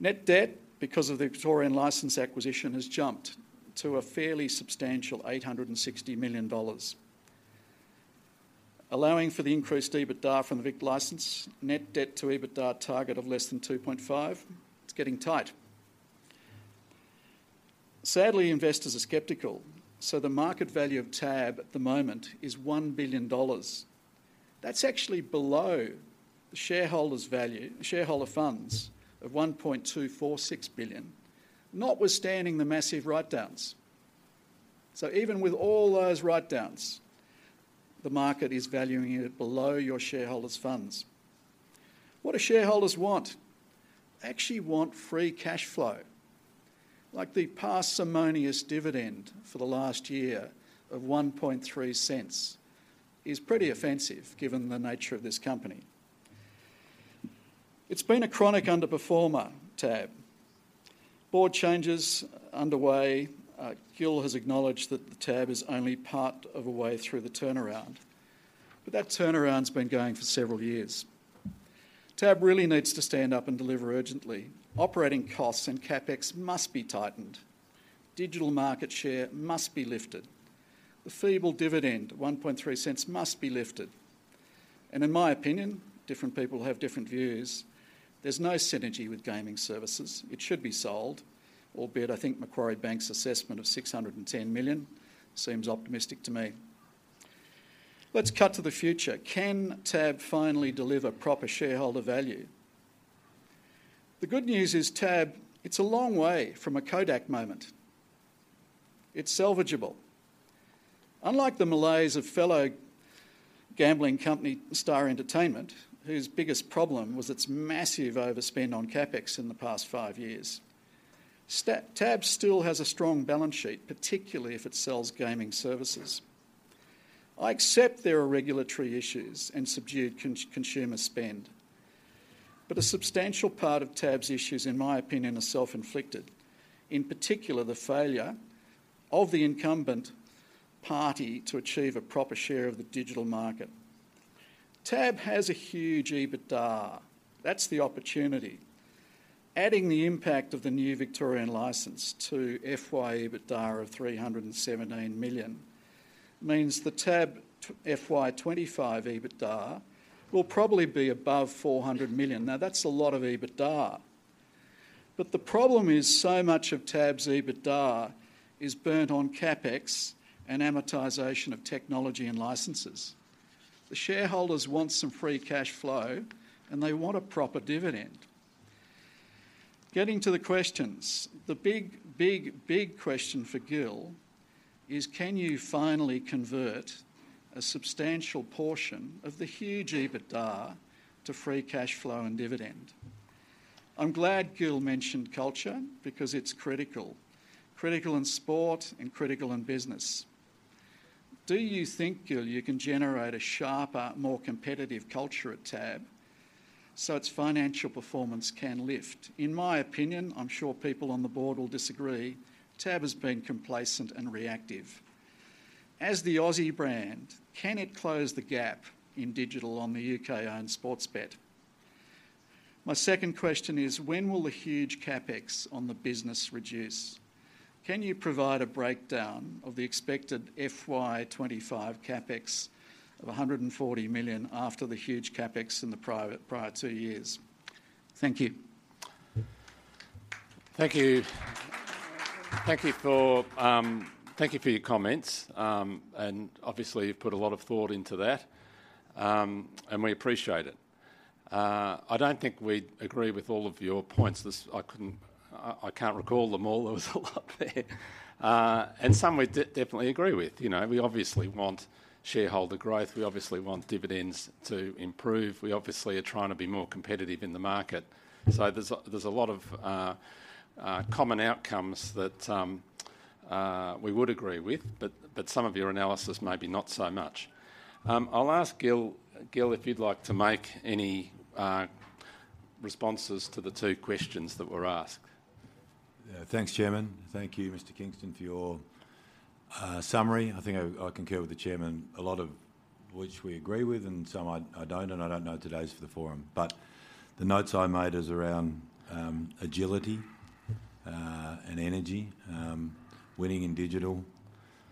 Net debt, because of the Victorian licence acquisition, has jumped to a fairly substantial $860 million. Allowing for the increased EBITDA from the Vic license, net debt to EBITDA target of less than 2.5, it's getting tight. Sadly, investors are skeptical, so the market value of TAB at the moment is $1 billion. That's actually below the shareholders' value, shareholder funds of $1.246 billion, notwithstanding the massive write-downs. So even with all those write-downs, the market is valuing it below your shareholders' funds. What do shareholders want? They actually want free cash flow. Like the parsimonious dividend for the last year of 0.013 is pretty offensive, given the nature of this company. It's been a chronic underperformer, TAB. Board change is underway. Gil has acknowledged that TAB is only part of the way through the turnaround, but that turnaround's been going for several years. TAB really needs to stand up and deliver urgently. Operating costs and CapEx must be tightened. Digital market share must be lifted. The feeble dividend, 0.013, must be lifted. And in my opinion, different people have different views, there's no synergy with gaming services. It should be sold, albeit I think Macquarie Bank's assessment of 610 million seems optimistic to me. Let's cut to the future. Can TAB finally deliver proper shareholder value? The good news is, TAB, it's a long way from a Kodak moment. It's salvageable. Unlike the malaise of fellow gambling company Star Entertainment, whose biggest problem was its massive overspend on CapEx in the past five years, TAB still has a strong balance sheet, particularly if it sells gaming services. I accept there are regulatory issues and subdued consumer spend, but a substantial part of TAB's issues, in my opinion, are self-inflicted. In particular, the failure of the incumbent party to achieve a proper share of the digital market. TAB has a huge EBITDA. That's the opportunity. Adding the impact of the new Victorian licence to FY EBITDA of 317 million, means the TAB FY 2025 EBITDA will probably be above 400 million. Now, that's a lot of EBITDA. But the problem is, so much of TAB's EBITDA is burnt on CapEx and amortization of technology and licenses. The shareholders want some free cash flow, and they want a proper dividend. Getting to the questions, the big, big, big question for Gil is: can you finally convert a substantial portion of the huge EBITDA to free cash flow and dividend? I'm glad Gil mentioned culture, because it's critical. Critical in sport and critical in business. Do you think, Gil, you can generate a sharper, more competitive culture at TAB, so its financial performance can lift? In my opinion, I'm sure people on the board will disagree. TAB has been complacent and reactive. As the Aussie brand, can it close the gap in digital on the UK-owned Sportsbet? My second question is: when will the huge CapEx on the business reduce? Can you provide a breakdown of the expected FY 2025 CapEx of 140 million after the huge CapEx in the prior two years? Thank you. Thank you. Thank you for your comments, and obviously, you've put a lot of thought into that. We appreciate it. I don't think we agree with all of your points. This. I can't recall them all. There was a lot there. Some we definitely agree with. You know, we obviously want shareholder growth. We obviously want dividends to improve. We obviously are trying to be more competitive in the market. There's a lot of common outcomes that we would agree with, but some of your analysis, maybe not so much. I'll ask Gil if you'd like to make any responses to the two questions that were asked. Thanks, Chairman. Thank you, Mr. Kingston, for your summary. I think I concur with the chairman, a lot of which we agree with, and some I don't, and I don't know today's the forum. But the notes I made is around agility and energy winning in digital.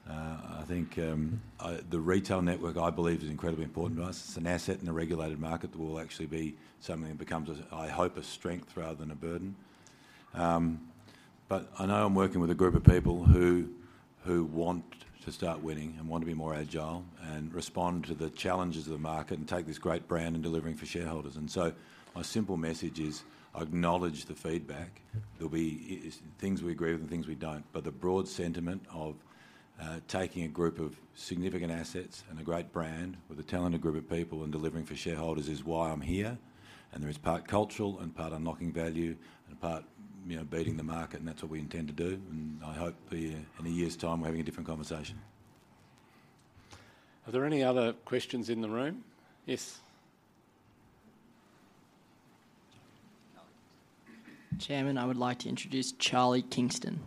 I think the retail network, I believe, is incredibly important to us. It's an asset in a regulated market that will actually be something that becomes, I hope, a strength rather than a burden. But I know I'm working with a group of people who want to start winning and want to be more agile and respond to the challenges of the market and take this great brand and delivering for shareholders. And so my simple message is, I acknowledge the feedback. There'll be things we agree with and things we don't. But the broad sentiment of taking a group of significant assets and a great brand with a talented group of people and delivering for shareholders is why I'm here, and there is part cultural and part unlocking value and part, you know, beating the market, and that's what we intend to do, and I hope in a year, in a year's time, we're having a different conversation. Are there any other questions in the room? Yes? Chairman, I would like to introduce Charlie Kingston.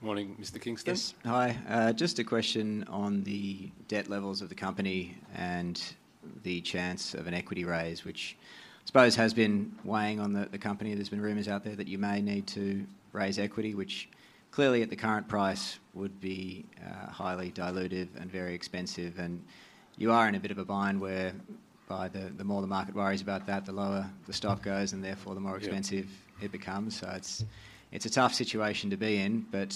Morning, Mr. Kingston. Yes. Hi, just a question on the debt levels of the company and the chance of an equity raise, which I suppose has been weighing on the company. There's been rumors out there that you may need to raise equity, which clearly, at the current price, would be highly dilutive and very expensive. And you are in a bit of a bind whereby the more the market worries about that, the lower the stock goes, and therefore the more expensive- Yeah It becomes. So it's a tough situation to be in, but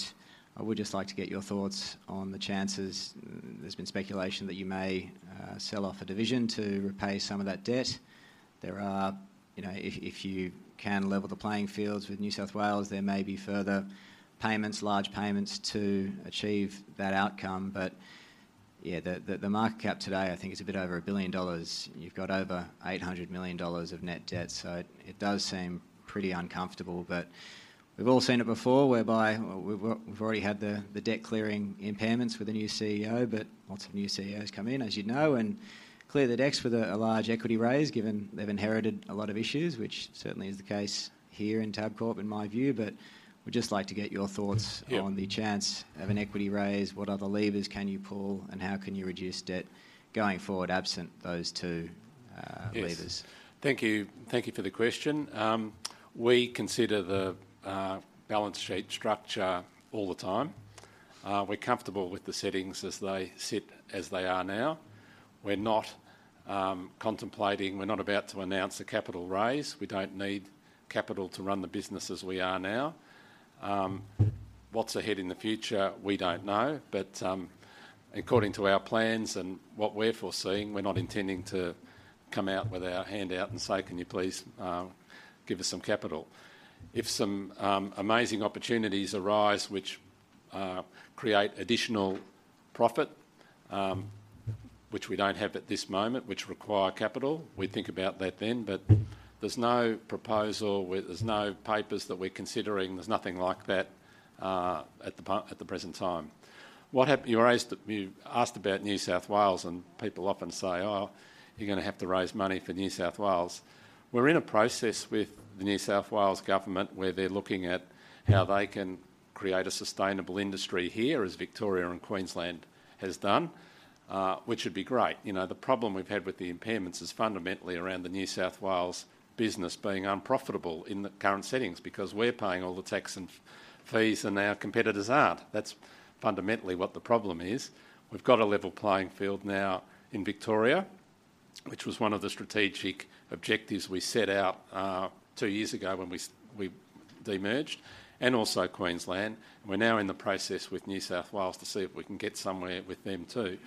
I would just like to get your thoughts on the chances. There's been speculation that you may sell off a division to repay some of that debt. There are, you know, if you can level the playing fields with New South Wales, there may be further payments, large payments to achieve that outcome. But yeah, the market cap today, I think, is a bit over 1 billion dollars. You've got over 800 million dollars of net debt, so it does seem pretty uncomfortable. But we've all seen it before, whereby we've already had the debt clearing impairments with a new CEO. But lots of new CEOs come in, as you know, and clear the decks with a large equity raise, given they've inherited a lot of issues, which certainly is the case here in Tabcorp, in my view. But would just like to get your thoughts on the chance of an equity raise. What other levers can you pull, and how can you reduce debt going forward, absent those two levers? Yes. Thank you. Thank you for the question. We consider the balance sheet structure all the time. We're comfortable with the settings as they sit, as they are now. We're not contemplating... We're not about to announce a capital raise. We don't need capital to run the business as we are now. What's ahead in the future? We don't know. But, according to our plans and what we're foreseeing, we're not intending to come out with our hand out and say: "Can you please give us some capital?" If some amazing opportunities arise, which create additional profit, which we don't have at this moment, which require capital, we'd think about that then. But there's no proposal where there's no papers that we're considering. There's nothing like that at the present time. You raised, you asked about New South Wales, and people often say, "Oh, you're going to have to raise money for New South Wales." We're in a process with the New South Wales government, where they're looking at how they can create a sustainable industry here, as Victoria and Queensland has done, which would be great. You know, the problem we've had with the impairments is fundamentally around the New South Wales business being unprofitable in the current settings, because we're paying all the tax and fees, and our competitors aren't. That's fundamentally what the problem is. We've got a level playing field now in Victoria, which was one of the strategic objectives we set out, two years ago when we demerged, and also Queensland. We're now in the process with New South Wales to see if we can get somewhere with them, too.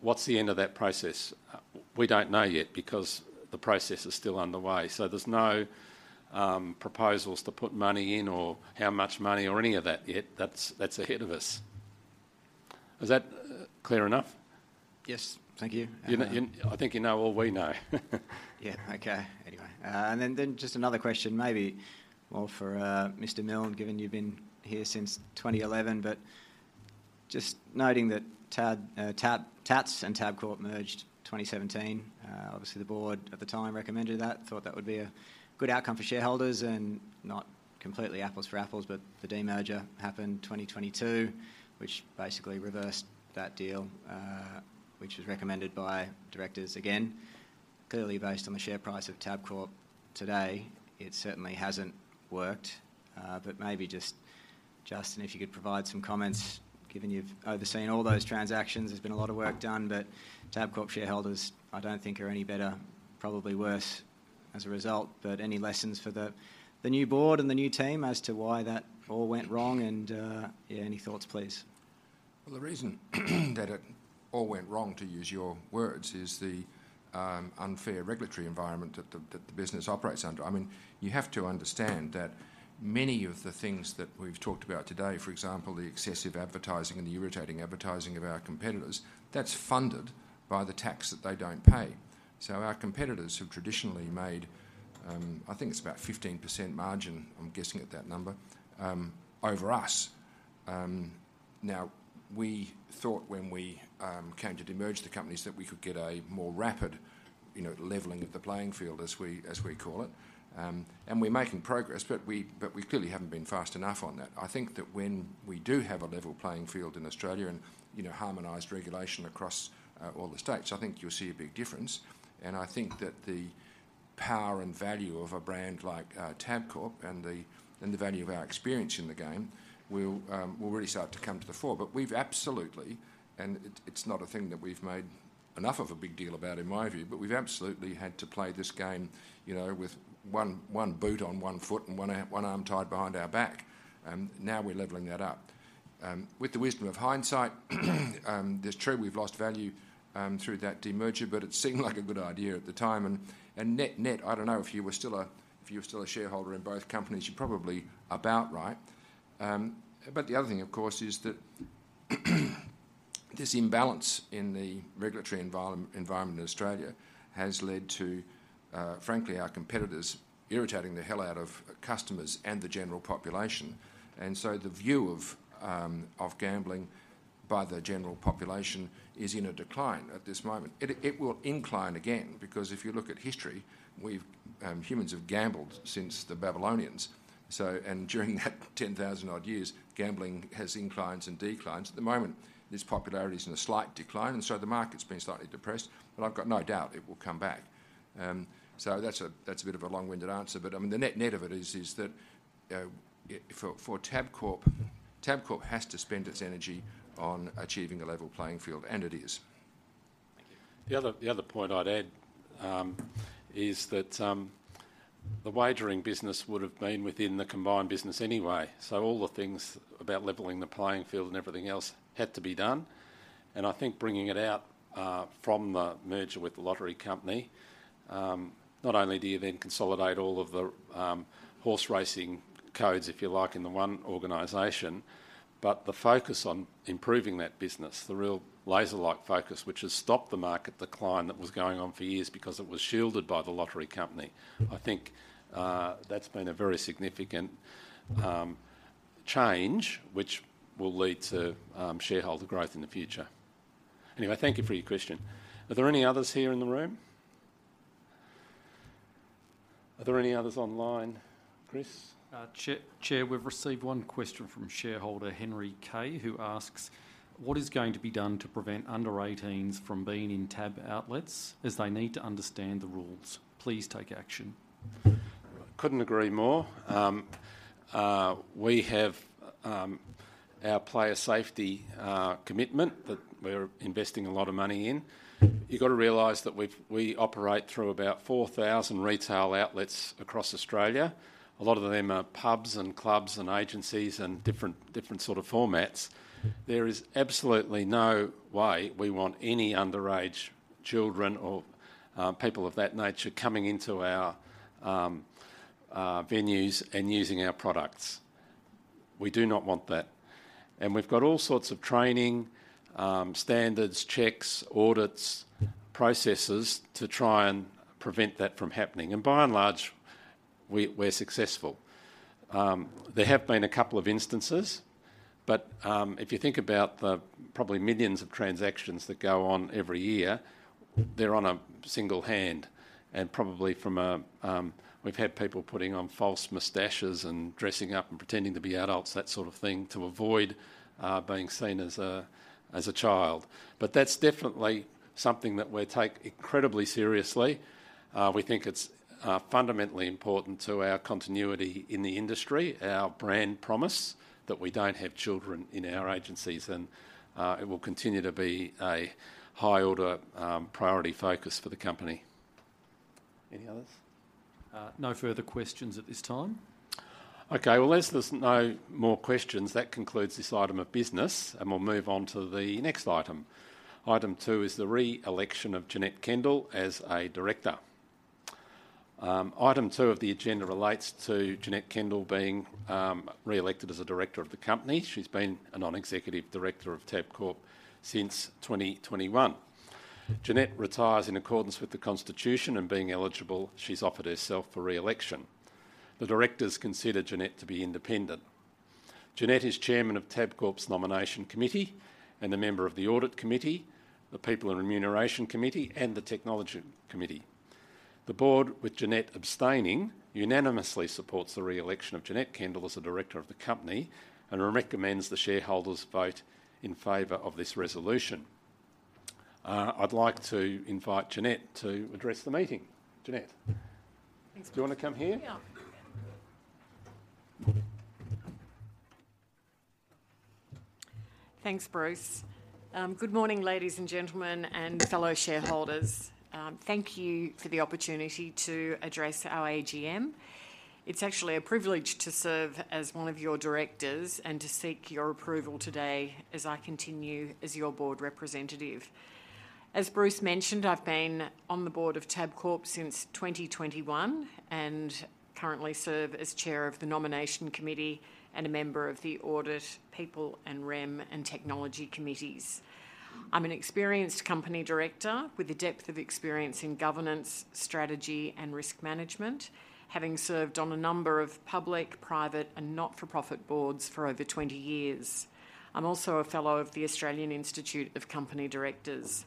What's the end of that process? We don't know yet because the process is still underway. So there's no proposals to put money in or how much money or any of that yet. That's ahead of us. Is that clear enough? Yes. Thank you. And You know, I think you know all we know. Yeah, okay. Anyway, and then just another question, maybe more for Mr. Milne, given you've been here since 2011. But just noting that Tatts and Tabcorp merged 2017. Obviously, the board at the time recommended that, thought that would be a good outcome for shareholders, and not completely apples for apples, but the demerger happened in 2022, which basically reversed that deal, which was recommended by directors again. Clearly, based on the share price of Tabcorp today, it certainly hasn't worked. But maybe just, Justin, if you could provide some comments, given you've overseen all those transactions. There's been a lot of work done, but Tabcorp shareholders, I don't think, are any better, probably worse as a result. But any lessons for the new board and the new team as to why that all went wrong, and, yeah, any thoughts, please? The reason that it all went wrong, to use your words, is the unfair regulatory environment that the business operates under. I mean, you have to understand that many of the things that we've talked about today, for example, the excessive advertising and the irritating advertising of our competitors, that's funded by the tax that they don't pay. So our competitors, who traditionally made, I think it's about 15% margin, I'm guessing at that number, over us. Now, we thought when we came to de-merge the companies, that we could get a more rapid, you know, leveling of the playing field, as we, as we call it. And we're making progress, but we, but we clearly haven't been fast enough on that. I think that when we do have a level playing field in Australia and, you know, harmonized regulation across all the states, I think you'll see a big difference. And I think that the power and value of a brand like Tabcorp and the, and the value of our experience in the game will really start to come to the fore. But we've absolutely, and it, it's not a thing that we've made enough of a big deal about, in my view, but we've absolutely had to play this game, you know, with one boot on one foot and one arm tied behind our back. Now we're leveling that up. With the wisdom of hindsight, it's true, we've lost value through that demerger, but it seemed like a good idea at the time. Net-net, I don't know, if you were still a shareholder in both companies, you're probably about right. But the other thing, of course, is that this imbalance in the regulatory environment in Australia has led to, frankly, our competitors irritating the hell out of customers and the general population. So the view of gambling by the general population is in a decline at this moment. It will incline again, because if you look at history, humans have gambled since the Babylonians. So, and during that 10,000-odd years, gambling has inclines and declines. At the moment, this popularity is in a slight decline, and so the market's been slightly depressed, but I've got no doubt it will come back. So that's a bit of a long-winded answer, but I mean, the net-net of it is that for Tabcorp, it has to spend its energy on achieving a level playing field, and it is. Thank you. The other point I'd add is that the wagering business would've been within the combined business anyway, so all the things about leveling the playing field and everything else had to be done, and I think bringing it out from the merger with the lottery company not only do you then consolidate all of the horse racing codes, if you like, in the one organization, but the focus on improving that business, the real laser-like focus, which has stopped the market decline that was going on for years because it was shielded by the lottery company. I think that's been a very significant change, which will lead to shareholder growth in the future. Anyway, thank you for your question. Are there any others here in the room? Are there any others online, Chris? Chair, Chair, we've received one question from shareholder Henry K, who asks: "What is going to be done to prevent under eighteens from being in TAB outlets, as they need to understand the rules? Please take action. Couldn't agree more. We have our player safety commitment that we're investing a lot of money in. You've got to realize that we operate through about four thousand retail outlets across Australia. A lot of them are pubs, and clubs, and agencies, and different sort of formats. There is absolutely no way we want any underage children or people of that nature coming into our venues and using our products. We do not want that, and we've got all sorts of training standards, checks, audits, processes to try and prevent that from happening, and by and large, we're successful. There have been a couple of instances, but if you think about the probably millions of transactions that go on every year, they're on a single hand, and probably from a... We've had people putting on false mustaches and dressing up and pretending to be adults, that sort of thing, to avoid being seen as a child. But that's definitely something that we take incredibly seriously. We think it's fundamentally important to our continuity in the industry, our brand promise, that we don't have children in our agencies, and it will continue to be a high-order priority focus for the company. Any others? No further questions at this time. Okay, well, as there's no more questions, that concludes this item of business, and we'll move on to the next item. Item two is the re-election of Janette Kendall as a director. Item two of the agenda relates to Janette Kendall being re-elected as a director of the company. She's been a non-executive director of Tabcorp since 2021. Janette retires in accordance with the constitution, and being eligible, she's offered herself for re-election. The directors consider Janette to be independent. Janette is Chairman of Tabcorp's Nomination Committee and a member of the Audit Committee, the People and Remuneration Committee, and the Technology Committee. The board, with Janette abstaining, unanimously supports the re-election of Janette Kendall as a director of the company and recommends the shareholders vote in favor of this resolution. I'd like to invite Janette to address the meeting. Janette? Thanks, Bruce. Do you want to come here? Yeah. Thanks, Bruce. Good morning, ladies and gentlemen, and fellow shareholders. Thank you for the opportunity to address our AGM. It's actually a privilege to serve as one of your directors and to seek your approval today as I continue as your board representative. As Bruce mentioned, I've been on the board of Tabcorp since 2021, and currently serve as chair of the Nomination Committee and a member of the Audit, People and Rem, and Technology Committees. I'm an experienced company director with a depth of experience in governance, strategy, and risk management, having served on a number of public, private, and not-for-profit boards for over 20 years. I'm also a fellow of the Australian Institute of Company Directors.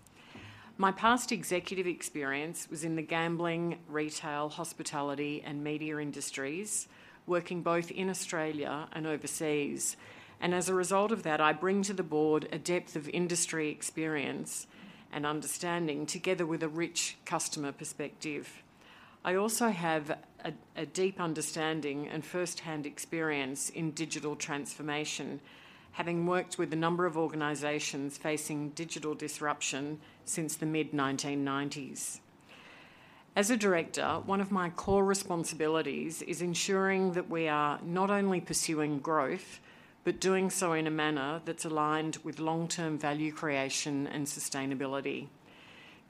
My past executive experience was in the gambling, retail, hospitality, and media industries, working both in Australia and overseas, and as a result of that, I bring to the board a depth of industry experience and understanding together with a rich customer perspective. I also have a deep understanding and first-hand experience in digital transformation, having worked with a number of organizations facing digital disruption since the mid-1990s. As a director, one of my core responsibilities is ensuring that we are not only pursuing growth but doing so in a manner that's aligned with long-term value creation and sustainability.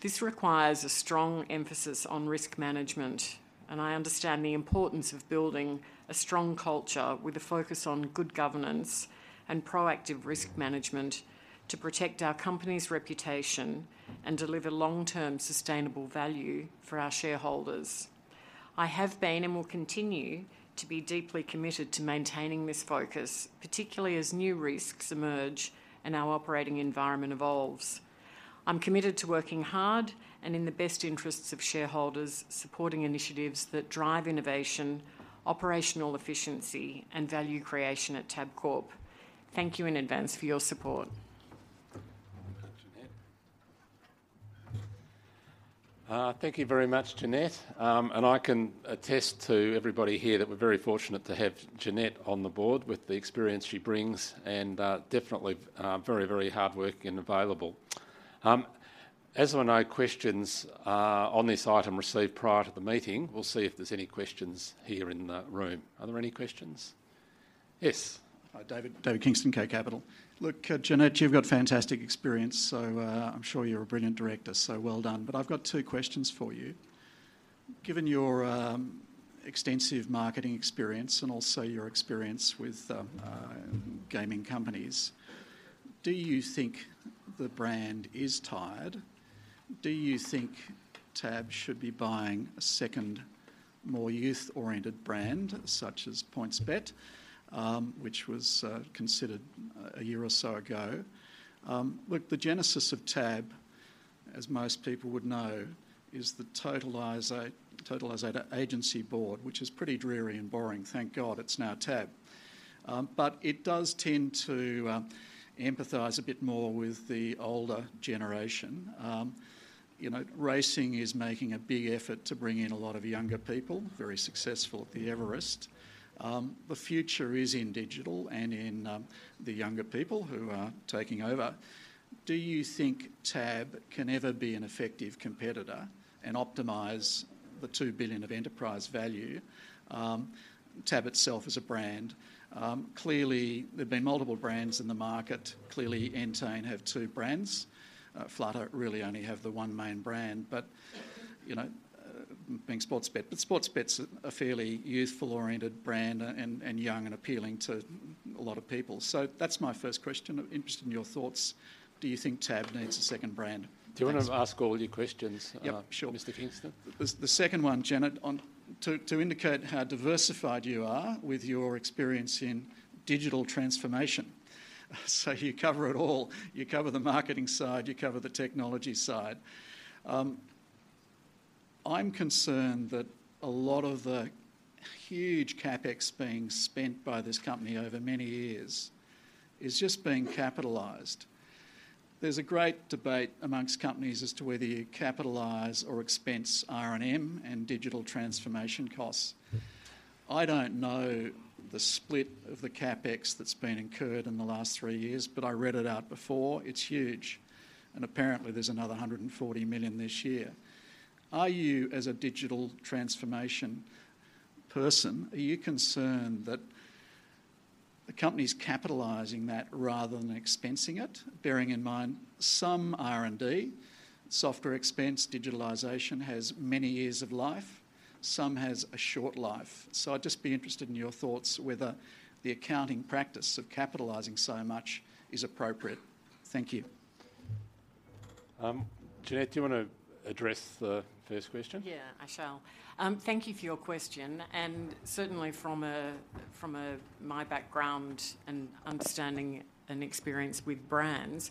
This requires a strong emphasis on risk management, and I understand the importance of building a strong culture with a focus on good governance and proactive risk management to protect our company's reputation and deliver long-term sustainable value for our shareholders. I have been, and will continue, to be deeply committed to maintaining this focus, particularly as new risks emerge and our operating environment evolves. I'm committed to working hard and in the best interests of shareholders, supporting initiatives that drive innovation, operational efficiency, and value creation at Tabcorp. Thank you in advance for your support. Thank you very much, Janette. And I can attest to everybody here that we're very fortunate to have Janette on the board with the experience she brings, and definitely very, very hardworking and available. As there were no questions on this item received prior to the meeting, we'll see if there's any questions here in the room. Are there any questions? Yes. Hi, David. David Kingston, K Capital. Look, Janette, you've got fantastic experience, so, I'm sure you're a brilliant director, so well done. But I've got two questions for you. Given your, extensive marketing experience and also your experience with, gaming companies, do you think the brand is tired? Do you think TAB should be buying a second, more youth-oriented brand, such as PointsBet, which was, considered a year or so ago? Look, the genesis of TAB, as most people would know, is the Totalisator Agency Board, which is pretty dreary and boring. Thank God it's now TAB. But it does tend to, emphasize a bit more with the older generation. You know, racing is making a big effort to bring in a lot of younger people, very successful at The Everest. The future is in digital and in the younger people who are taking over. Do you think TAB can ever be an effective competitor and optimize the 2 billion of enterprise value? TAB itself is a brand. Clearly, there have been multiple brands in the market. Clearly, Entain have two brands. Flutter really only have the one main brand, but, you know, being Sportsbet. But Sportsbet's a fairly youthful-oriented brand and young and appealing to a lot of people. So that's my first question. I'm interested in your thoughts. Do you think TAB needs a second brand? Do you want to ask all your questions? Yep, sure. Mr. Kingston? The second one, Janette, to indicate how diversified you are with your experience in digital transformation, so you cover it all. You cover the marketing side, you cover the technology side. I'm concerned that a lot of the huge CapEx being spent by this company over many years is just being capitalized. There's a great debate among companies as to whether you capitalize or expense R&M and digital transformation costs. I don't know the split of the CapEx that's been incurred in the last three years, but I read it out before: it's huge, and apparently, there's another 140 million this year. Are you, as a digital transformation person, are you concerned that the company's capitalizing that rather than expensing it? Bearing in mind, some R&D, software expense, digitalization, has many years of life, some has a short life. I'd just be interested in your thoughts whether the accounting practice of capitalizing so much is appropriate? Thank you. Janette, do you want to address the first question? Yeah, I shall. Thank you for your question, and certainly from a, my background and understanding and experience with brands,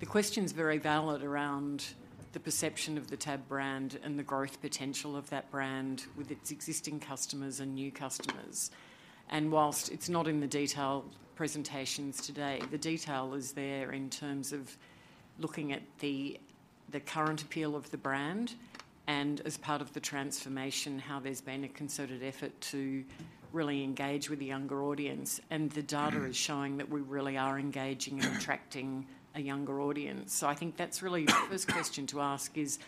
the question's very valid around the perception of the TAB brand and the growth potential of that brand with its existing customers and new customers. And while it's not in the detailed presentations today, the detail is there in terms of looking at the current appeal of the brand and, as part of the transformation, how there's been a concerted effort to really engage with the younger audience. And the data is showing that we really are engaging and attracting a younger audience. So I think that's really the first question to ask is: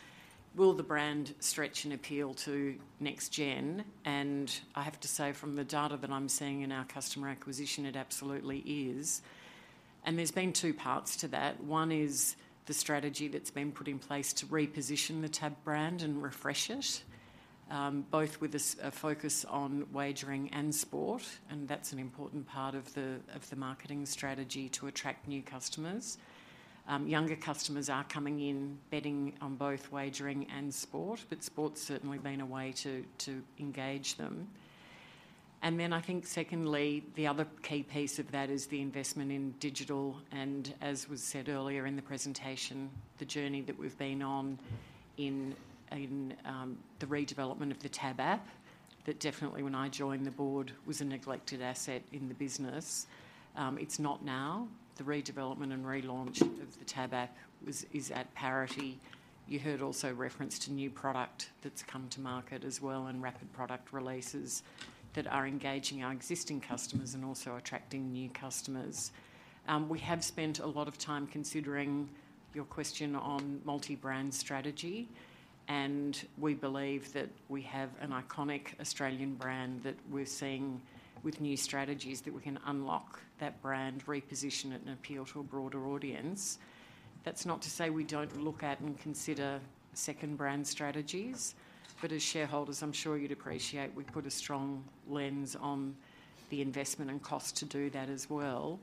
will the brand stretch and appeal to next gen? And I have to say, from the data that I'm seeing in our customer acquisition, it absolutely is. And there's been two parts to that. One is the strategy that's been put in place to reposition the TAB brand and refresh it, both with a focus on wagering and sport, and that's an important part of the marketing strategy to attract new customers. Younger customers are coming in, betting on both wagering and sport, but sport's certainly been a way to engage them. Then I think, secondly, the other key piece of that is the investment in digital, and as was said earlier in the presentation, the journey that we've been on in the redevelopment of the TAB app, that definitely, when I joined the board, was a neglected asset in the business. It's not now. The redevelopment and relaunch of the TAB app is at parity. You heard also reference to new product that's come to market as well, and rapid product releases that are engaging our existing customers and also attracting new customers. We have spent a lot of time considering your question on multi-brand strategy, and we believe that we have an iconic Australian brand that we're seeing with new strategies, that we can unlock that brand, reposition it, and appeal to a broader audience. That's not to say we don't look at and consider second-brand strategies, but as shareholders, I'm sure you'd appreciate, we put a strong lens on the investment and cost to do that as well,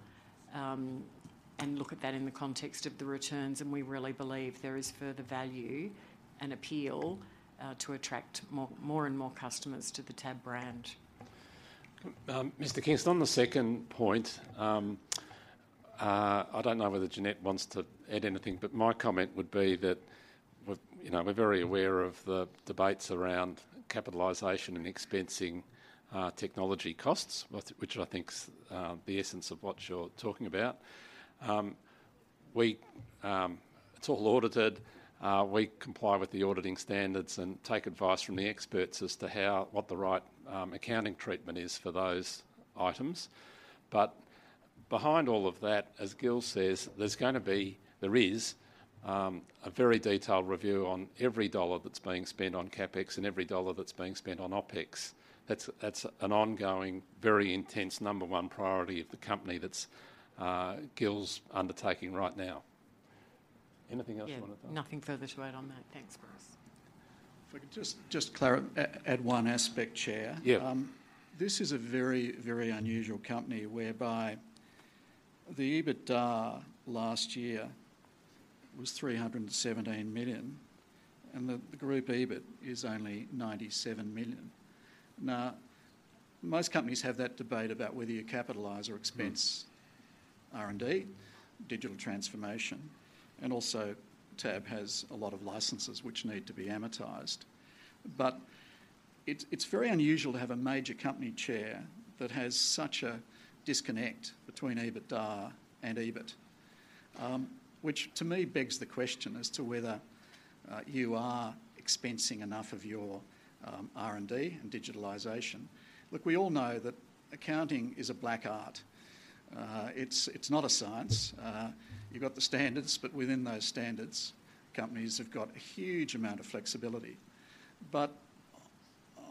and look at that in the context of the returns, and we really believe there is further value and appeal to attract more and more customers to the TAB brand. Mr. Kingston, on the second point, I don't know whether Janette wants to add anything, but my comment would be that... well, you know, we're very aware of the debates around capitalization and expensing technology costs, which I think is the essence of what you're talking about. We, it's all audited. We comply with the auditing standards and take advice from the experts as to how what the right accounting treatment is for those items. But behind all of that, as Gil says, there is a very detailed review on every dollar that's being spent on CapEx and every dollar that's being spent on OpEx. That's an ongoing, very intense number one priority of the company that's Gil's undertaking right now. Anything else you wanna add? Yeah, nothing further to add on that. Thanks, Bruce. If I could just add one aspect, Chair. Yeah. This is a very, very unusual company, whereby the EBITDA last year was 317 million, and the group EBIT is only 97 million. Now, most companies have that debate about whether you capitalize or expense R&D, digital transformation, and also TAB has a lot of licenses which need to be amortized. But it's very unusual to have a major company, Chair, that has such a disconnect between EBITDA and EBIT. Which to me begs the question as to whether you are expensing enough of your R&D and digitalization. Look, we all know that accounting is a black art. It's not a science. You've got the standards, but within those standards, companies have got a huge amount of flexibility. But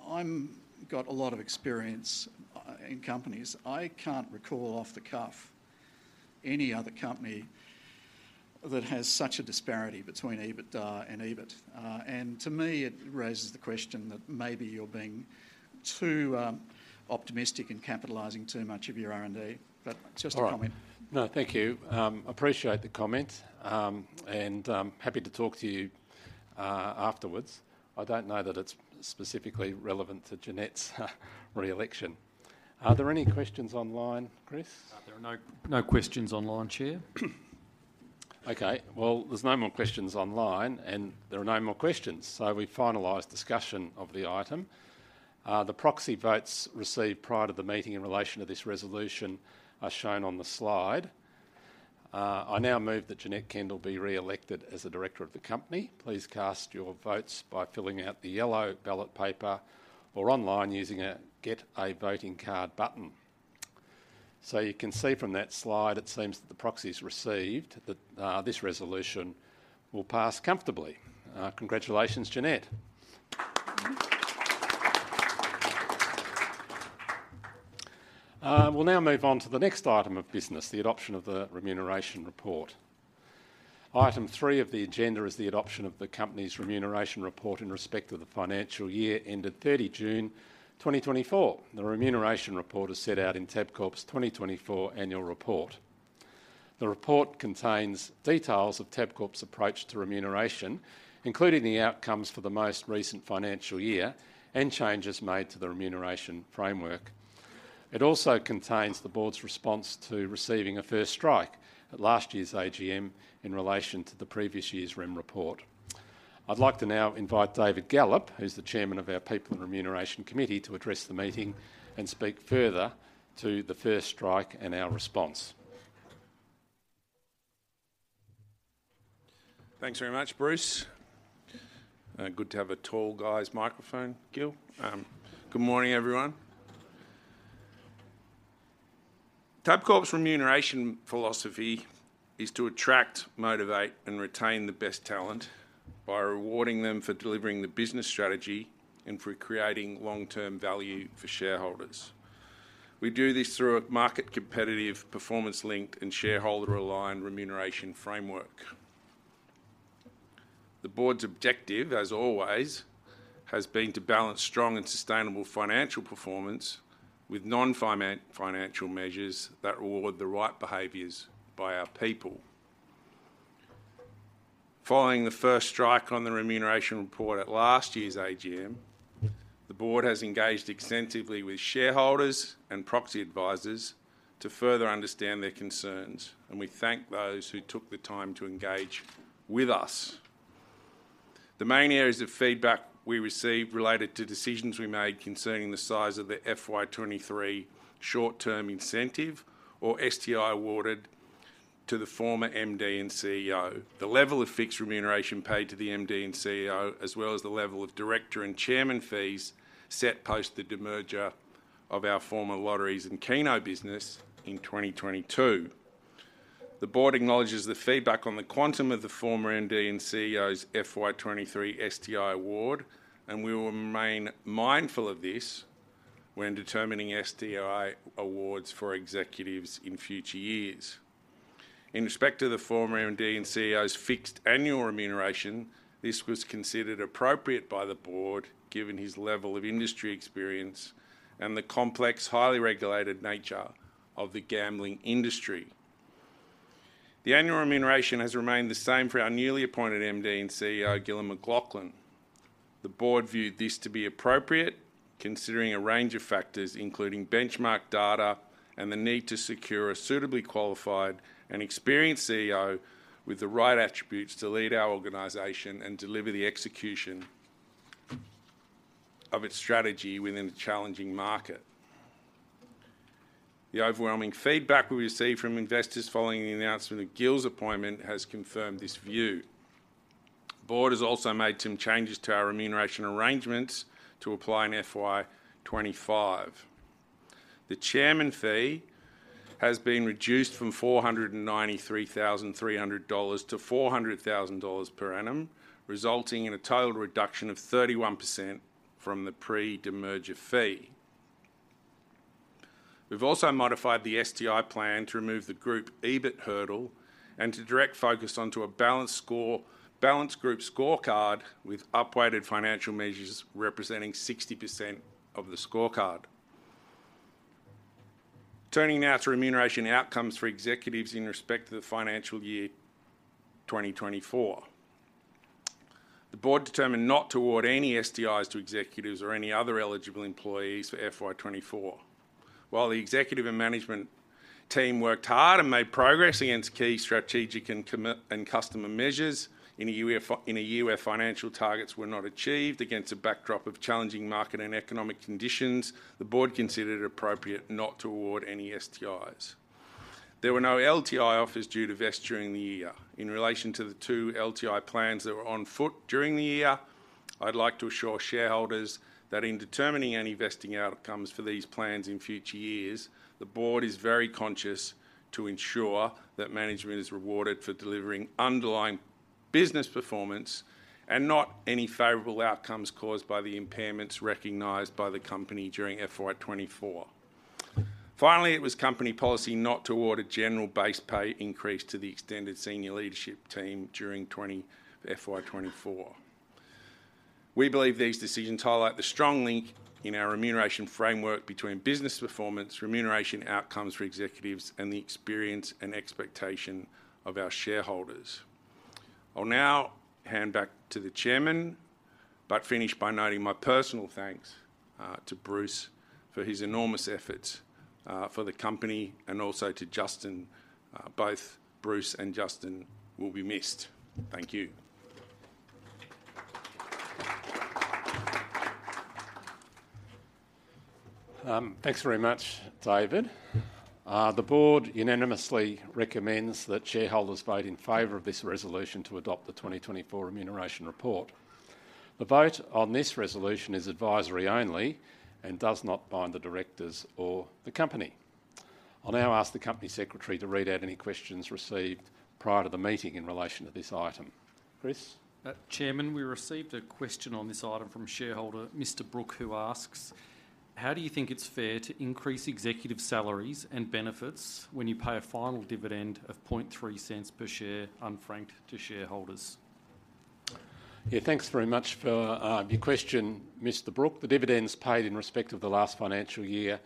I'm got a lot of experience in companies. I can't recall off the cuff any other company that has such a disparity between EBITDA and EBIT. And to me, it raises the question that maybe you're being too optimistic and capitalizing too much of your R&D. But just a comment. All right. No, thank you. Appreciate the comment, and I'm happy to talk to you afterwards. I don't know that it's specifically relevant to Janette's re-election. Are there any questions online, Chris? There are no questions online, Chair. Okay, well, there are no more questions online, and there are no more questions, so we finalize discussion of the item. The proxy votes received prior to the meeting in relation to this resolution are shown on the slide. I now move that Janette Kendall be re-elected as a director of the company. Please cast your votes by filling out the yellow ballot paper or online using a Get a Voting Card button. So you can see from that slide, it seems that the proxies received, that, this resolution will pass comfortably. Congratulations, Janette. We'll now move on to the next item of business, the adoption of the remuneration report. Item three of the agenda is the adoption of the company's remuneration report in respect to the financial year ended 30 June 2024. The remuneration report is set out in Tabcorp's 2024 annual report. The report contains details of Tabcorp's approach to remuneration, including the outcomes for the most recent financial year and changes made to the remuneration framework. It also contains the board's response to receiving a first strike at last year's AGM in relation to the previous year's rem report. I'd like to now invite David Gallop, who's the Chairman of our People and Remuneration Committee, to address the meeting and speak further to the first strike and our response. Thanks very much, Bruce. Good to have a tall guy's microphone, Gil. Good morning, everyone. Tabcorp's remuneration philosophy is to attract, motivate, and retain the best talent by rewarding them for delivering the business strategy and for creating long-term value for shareholders. We do this through a market competitive, performance-linked, and shareholder-aligned remuneration framework. The board's objective, as always, has been to balance strong and sustainable financial performance with non-financial measures that reward the right behaviors by our people. Following the first strike on the remuneration report at last year's AGM, the board has engaged extensively with shareholders and proxy advisors to further understand their concerns, and we thank those who took the time to engage with us. The main areas of feedback we received related to decisions we made concerning the size of the FY 2023 short-term incentive or STI awarded to the former MD and CEO. The level of fixed remuneration paid to the MD and CEO, as well as the level of director and chairman fees, set post the demerger of our former Lotteries and Keno business in 2022. The board acknowledges the feedback on the quantum of the former MD and CEO's FY 2023 STI award, and we will remain mindful of this when determining STI awards for executives in future years. In respect to the former MD and CEO's fixed annual remuneration, this was considered appropriate by the board, given his level of industry experience and the complex, highly regulated nature of the gambling industry. The annual remuneration has remained the same for our newly appointed MD and CEO, Gillon McLachlan. The board viewed this to be appropriate, considering a range of factors, including benchmark data and the need to secure a suitably qualified and experienced CEO with the right attributes to lead our organization and deliver the execution of its strategy within a challenging market. The overwhelming feedback we received from investors following the announcement of Gil's appointment has confirmed this view. The board has also made some changes to our remuneration arrangements to apply in FY 2025. The chairman fee has been reduced from 493,300-400,000 dollars per annum, resulting in a total reduction of 31% from the pre-demerger fee. We've also modified the STI plan to remove the group EBIT hurdle and to direct focus onto a balanced score, balanced group scorecard with upweighted financial measures representing 60% of the scorecard. Turning now to remuneration outcomes for executives in respect to the financial year 2024. The board determined not to award any STIs to executives or any other eligible employees for FY 2024. While the executive and management team worked hard and made progress against key strategic and commitment and customer measures in a year where financial targets were not achieved against a backdrop of challenging market and economic conditions, the board considered it appropriate not to award any STIs. There were no LTI offers due to vest during the year. In relation to the two LTI plans that were on foot during the year, I'd like to assure shareholders that in determining any vesting outcomes for these plans in future years, the board is very conscious to ensure that management is rewarded for delivering underlying business performance and not any favorable outcomes caused by the impairments recognized by the company during FY 2024. Finally, it was company policy not to award a general base pay increase to the extended senior leadership team during FY 2024. We believe these decisions highlight the strong link in our remuneration framework between business performance, remuneration outcomes for executives, and the experience and expectation of our shareholders. I'll now hand back to the chairman, but finish by noting my personal thanks to Bruce for his enormous efforts for the company, and also to Justin. Both Bruce and Justin will be missed. Thank you. Thanks very much, David. The board unanimously recommends that shareholders vote in favor of this resolution to adopt the 2024 remuneration report. The vote on this resolution is advisory only and does not bind the directors or the company. I'll now ask the company secretary to read out any questions received prior to the meeting in relation to this item. Chris? Chairman, we received a question on this item from shareholder Mr. Brooke, who asks: "How do you think it's fair to increase executive salaries and benefits when you pay a final dividend of 0.003 per share, unfranked, to shareholders? Yeah, thanks very much for your question, Mr. Brooke. The dividends paid in respect of the last financial year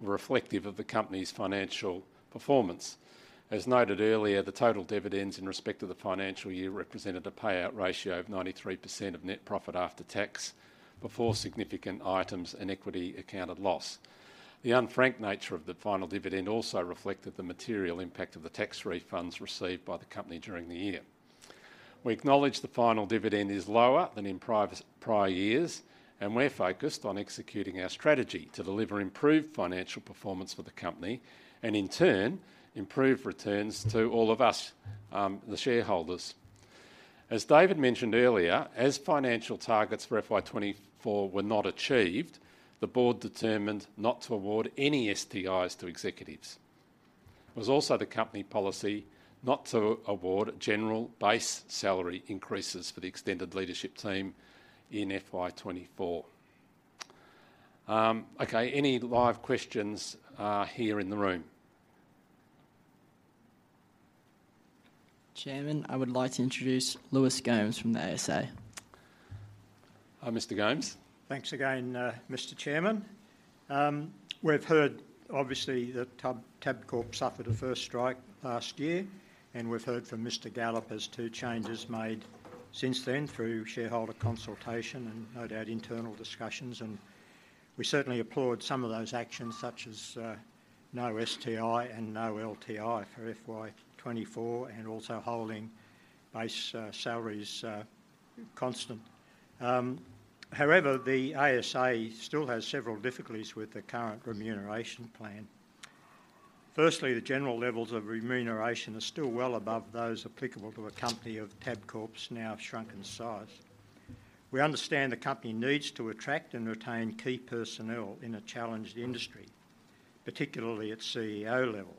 were reflective of the company's financial performance. As noted earlier, the total dividends in respect to the financial year represented a payout ratio of 93% of net profit after tax, before significant items and equity accounted loss. The unfranked nature of the final dividend also reflected the material impact of the tax refunds received by the company during the year. We acknowledge the final dividend is lower than in prior years, and we're focused on executing our strategy to deliver improved financial performance for the company and, in turn, improve returns to all of us, the shareholders. As David mentioned earlier, as financial targets for FY 2024 were not achieved, the board determined not to award any STIs to executives. It was also the company policy not to award general base salary increases for the extended leadership team in FY 2024. Okay, any live questions here in the room? Chairman, I would like to introduce Lewis Gomes from the ASA. Hi, Mr. Gomes. Thanks again, Mr. Chairman. We've heard obviously that Tabcorp suffered a first strike last year, and we've heard from Mr. Gallop as to changes made since then through shareholder consultation and no doubt internal discussions, and we certainly applaud some of those actions, such as no STI and no LTI for FY 2024 and also holding base salaries constant. However, the ASA still has several difficulties with the current remuneration plan. Firstly, the general levels of remuneration are still well above those applicable to a company of Tabcorp's now shrunken size. We understand the company needs to attract and retain key personnel in a challenged industry, particularly at CEO level,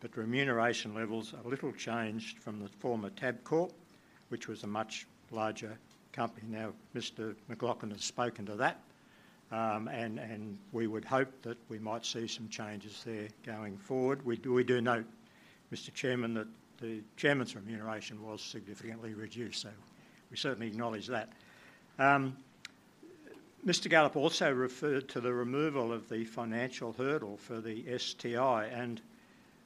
but remuneration levels are little changed from the former Tabcorp, which was a much larger company. Now, Mr. Now, Mr. McLachlan has spoken to that, and we would hope that we might see some changes there going forward. We do note, Mr. Chairman, that the chairman's remuneration was significantly reduced, so we certainly acknowledge that. Mr. Gallop also referred to the removal of the financial hurdle for the STI,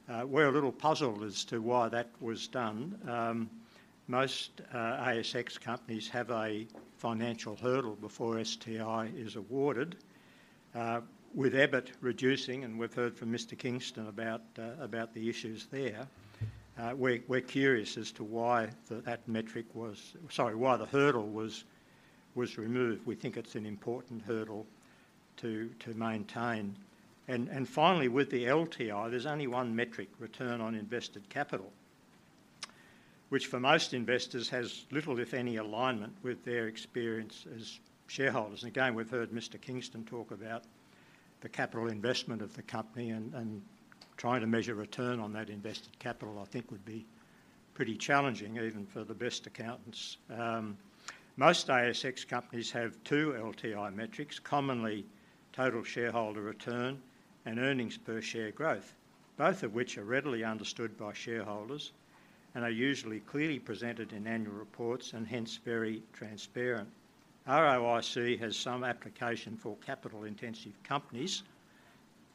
and, we're a little puzzled as to why that was done. Most, ASX companies have a financial hurdle before STI is awarded. With EBIT reducing, and we've heard from Mr. Kingston about, about the issues there, we're curious as to why the hurdle was removed. Sorry, we think it's an important hurdle to maintain. And finally, with the LTI, there's only one metric: return on invested capital, which for most investors has little, if any, alignment with their experience as shareholders. And again, we've heard Mr. Kingston talk about the capital investment of the company, and, trying to measure return on that invested capital, I think, would be pretty challenging, even for the best accountants. Most ASX companies have two LTI metrics, commonly total shareholder return and earnings per share growth, both of which are readily understood by shareholders and are usually clearly presented in annual reports, and hence very transparent. ROIC has some application for capital-intensive companies,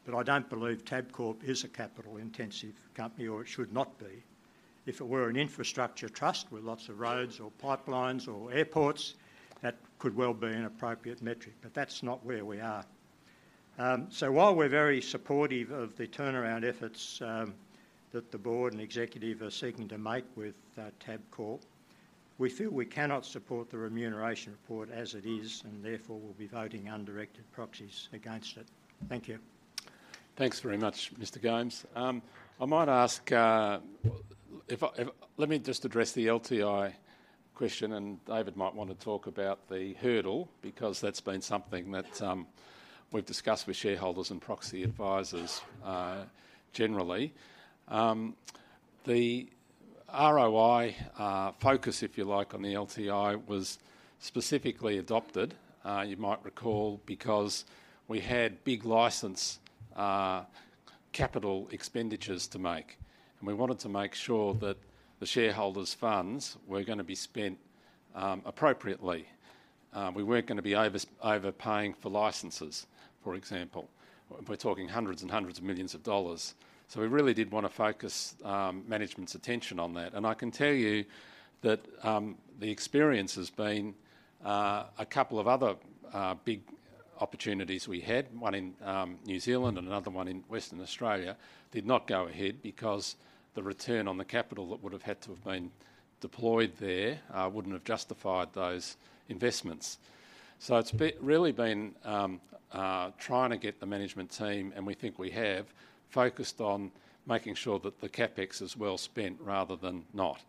but I don't believe Tabcorp is a capital-intensive company, or it should not be. If it were an infrastructure trust with lots of roads or pipelines or airports, that could well be an appropriate metric, but that's not where we are. So while we're very supportive of the turnaround efforts that the board and executive are seeking to make with Tabcorp, we feel we cannot support the remuneration report as it is, and therefore will be voting under directed proxies against it. Thank you. Thanks very much, Mr. Gomes. Let me just address the LTI question, and David might want to talk about the hurdle, because that's been something that we've discussed with shareholders and proxy advisors generally. The ROI focus, if you like, on the LTI, was specifically adopted, you might recall, because we had big license capital expenditures to make, and we wanted to make sure that the shareholders' funds were gonna be spent appropriately. We weren't gonna be overpaying for licenses, for example. We're talking hundreds and hundreds of millions of dollars, so we really did want to focus management's attention on that. And I can tell you that the experience has been. A couple of other big opportunities we had, one in New Zealand and another one in Western Australia, did not go ahead because the return on the capital that would have had to have been deployed there wouldn't have justified those investments. So it's really been trying to get the management team, and we think we have, focused on making sure that the CapEx is well spent rather than not,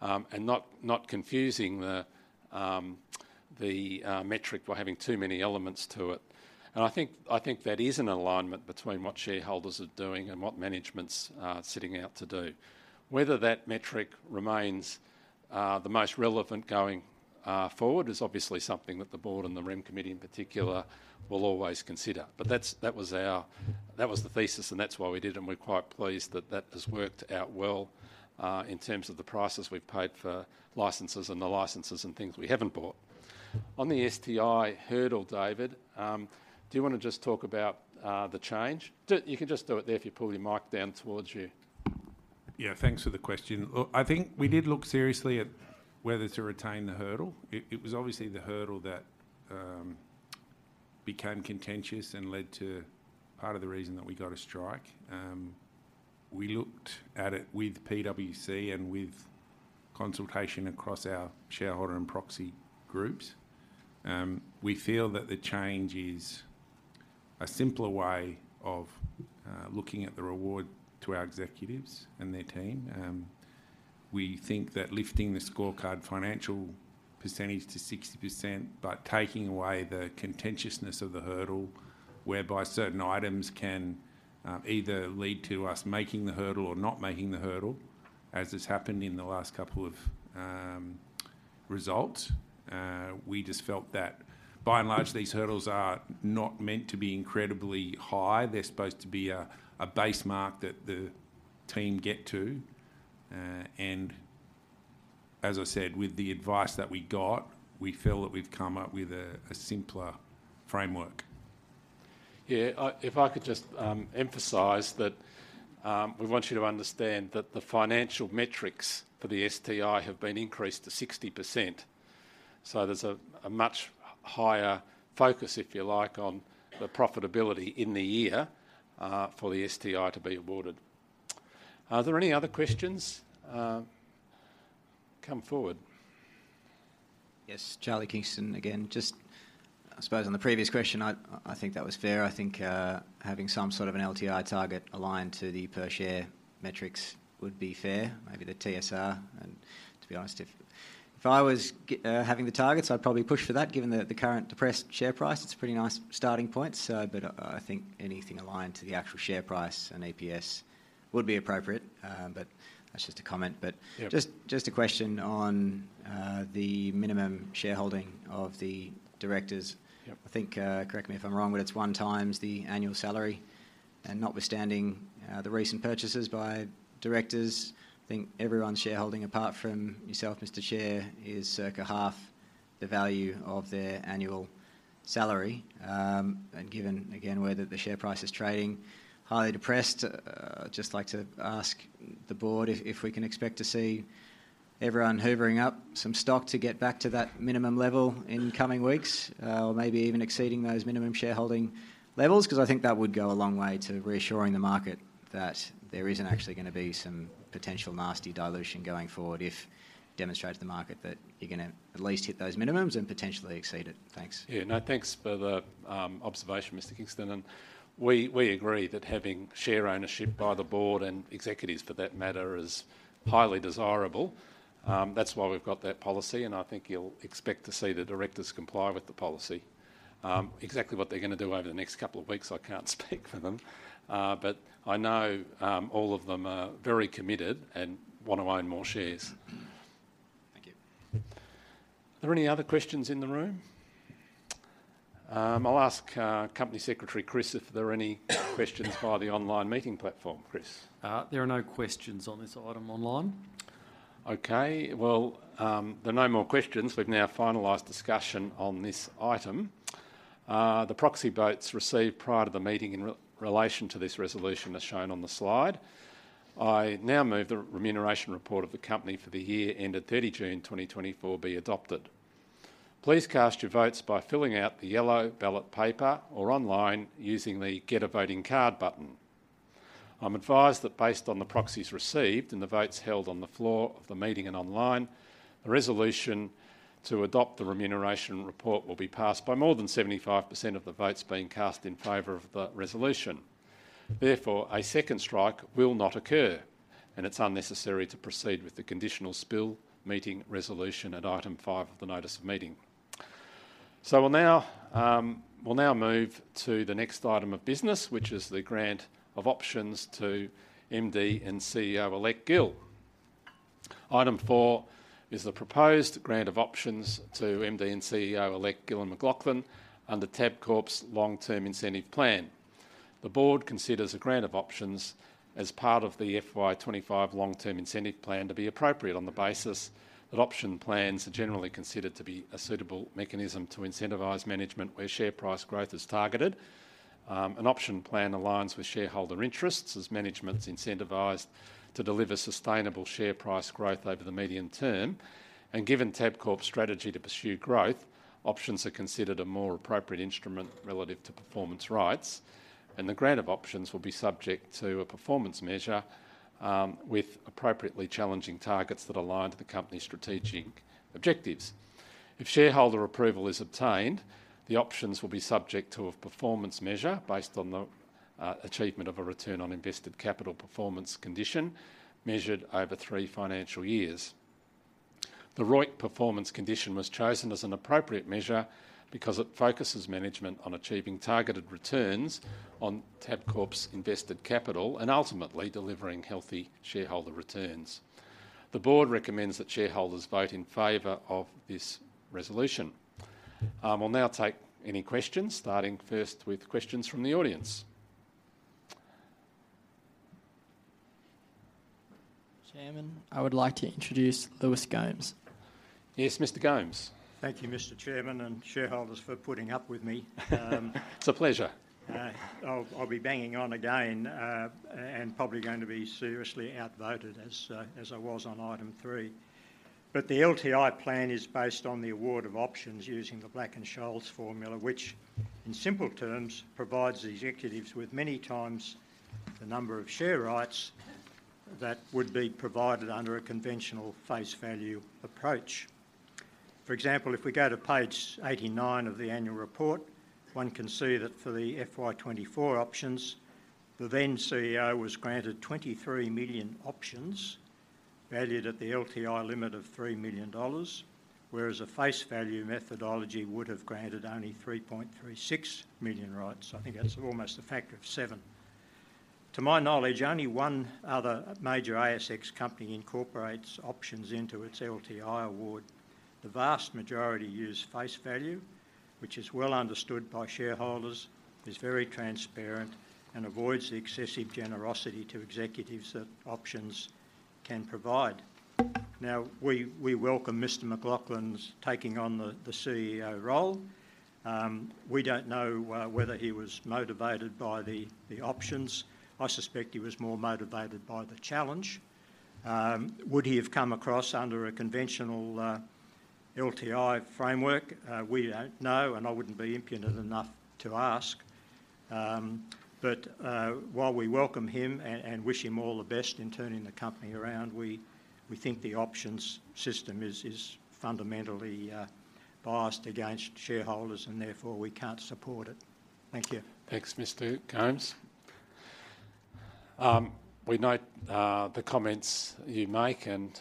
and not confusing the metric by having too many elements to it. I think that is an alignment between what shareholders are doing and what management's setting out to do. Whether that metric remains the most relevant going forward is obviously something that the board and the Rem committee in particular will always consider. But that was the thesis, and that's why we did it, and we're quite pleased that that has worked out well, in terms of the prices we've paid for licenses and the licenses and things we haven't bought. On the STI hurdle, David, do you wanna just talk about the change? Do it. You can just do it there if you pull your mic down towards you. Yeah, thanks for the question. Look, I think we did look seriously at whether to retain the hurdle. It was obviously the hurdle that became contentious and led to part of the reason that we got a strike. We looked at it with PwC and with consultation across our shareholder and proxy groups. We feel that the change is a simpler way of looking at the reward to our executives and their team. We think that lifting the scorecard financial percentage to 60%, but taking away the contentiousness of the hurdle, whereby certain items can either lead to us making the hurdle or not making the hurdle, as has happened in the last couple of results. We just felt that, by and large, these hurdles are not meant to be incredibly high. They're supposed to be a base mark that the team get to, and as I said, with the advice that we got, we feel that we've come up with a simpler framework. Yeah, if I could just emphasize that we want you to understand that the financial metrics for the STI have been increased to 60%, so there's a much higher focus, if you like, on the profitability in the year for the STI to be awarded. Are there any other questions? Come forward. Yes, Charlie Kingston again. Just I suppose on the previous question, I, I think that was fair. I think having some sort of an LTI target aligned to the per share metrics would be fair, maybe the TSR. And to be honest, if, if I was having the targets, I'd probably push for that. Given the current depressed share price, it's a pretty nice starting point. So but I, I think anything aligned to the actual share price and EPS would be appropriate. But that's just a comment. But- Yep just a question on the minimum shareholding of the directors. Yep. I think, correct me if I'm wrong, but it's one times the annual salary? and notwithstanding the recent purchases by directors, I think everyone's shareholding, apart from yourself, Mr. Chair, is circa half the value of their annual salary, and given, again, whether the share price is trading highly depressed, I'd just like to ask the board if we can expect to see everyone hoovering up some stock to get back to that minimum level in coming weeks, or maybe even exceeding those minimum shareholding levels? 'Cause I think that would go a long way to reassuring the market that there isn't actually gonna be some potential nasty dilution going forward, if demonstrate to the market that you're gonna at least hit those minimums and potentially exceed it. Thanks. Yeah, no, thanks for the observation, Mr. Kingston, and we agree that having share ownership by the board, and executives for that matter, is highly desirable. That's why we've got that policy, and I think you'll expect to see the directors comply with the policy. Exactly what they're gonna do over the next couple of weeks, I can't speak for them. But I know all of them are very committed and want to own more shares. Thank you. Are there any other questions in the room? I'll ask, Company Secretary Chris, if there are any questions via the online meeting platform. Chris? There are no questions on this item online. Okay, well, there are no more questions. We've now finalized discussion on this item. The proxy votes received prior to the meeting in relation to this resolution are shown on the slide. I now move the remuneration report of the company for the year ended 30 June 2024, be adopted. Please cast your votes by filling out the yellow ballot paper or online using the Get a Voting Card button. I'm advised that based on the proxies received and the votes held on the floor of the meeting and online, the resolution to adopt the remuneration report will be passed by more than 75% of the votes being cast in favor of the resolution. Therefore, a second strike will not occur, and it's unnecessary to proceed with the conditional spill meeting resolution at item five of the notice of meeting. So we'll now move to the next item of business, which is the grant of options to MD and CEO-elect Gillon. Item four is the proposed grant of options to MD and CEO-elect Gillon McLachlan under Tabcorp's long-term incentive plan. The board considers a grant of options as part of the FY 2025 long-term incentive plan to be appropriate on the basis that option plans are generally considered to be a suitable mechanism to incentivize management where share price growth is targeted. An option plan aligns with shareholder interests, as management's incentivized to deliver sustainable share price growth over the medium term. Given Tabcorp's strategy to pursue growth, options are considered a more appropriate instrument relative to performance rights, and the grant of options will be subject to a performance measure with appropriately challenging targets that align to the company's strategic objectives. If shareholder approval is obtained, the options will be subject to a performance measure based on the achievement of a return on invested capital performance condition, measured over three financial years. The ROIC performance condition was chosen as an appropriate measure because it focuses management on achieving targeted returns on Tabcorp's invested capital and ultimately delivering healthy shareholder returns. The board recommends that shareholders vote in favor of this resolution. We'll now take any questions, starting first with questions from the audience. Chairman, I would like to introduce Lewis Gomes. Yes, Mr. Gomes. Thank you, Mr. Chairman and shareholders, for putting up with me. It's a pleasure. I'll be banging on again, and probably going to be seriously outvoted, as I was on item three. But the LTI plan is based on the award of options using the Black-Scholes formula, which, in simple terms, provides the executives with many times the number of share rights that would be provided under a conventional face value approach. For example, if we go to page 89 of the annual report, one can see that for the FY 2024 options, the then CEO was granted 23 million options, valued at the LTI limit of 3 million dollars, whereas a face value methodology would have granted only 3.36 million rights. I think that's almost a factor of seven. To my knowledge, only one other major ASX company incorporates options into its LTI award. The vast majority use face value, which is well understood by shareholders, is very transparent, and avoids the excessive generosity to executives that options can provide. Now, we welcome Mr. McLachlan's taking on the CEO role. We don't know whether he was motivated by the options. I suspect he was more motivated by the challenge. Would he have come across under a conventional LTI framework? We don't know, and I wouldn't be impudent enough to ask. But while we welcome him and wish him all the best in turning the company around, we think the options system is fundamentally biased against shareholders, and therefore, we can't support it. Thank you. Thanks, Mr. Gomes. We note the comments you make, and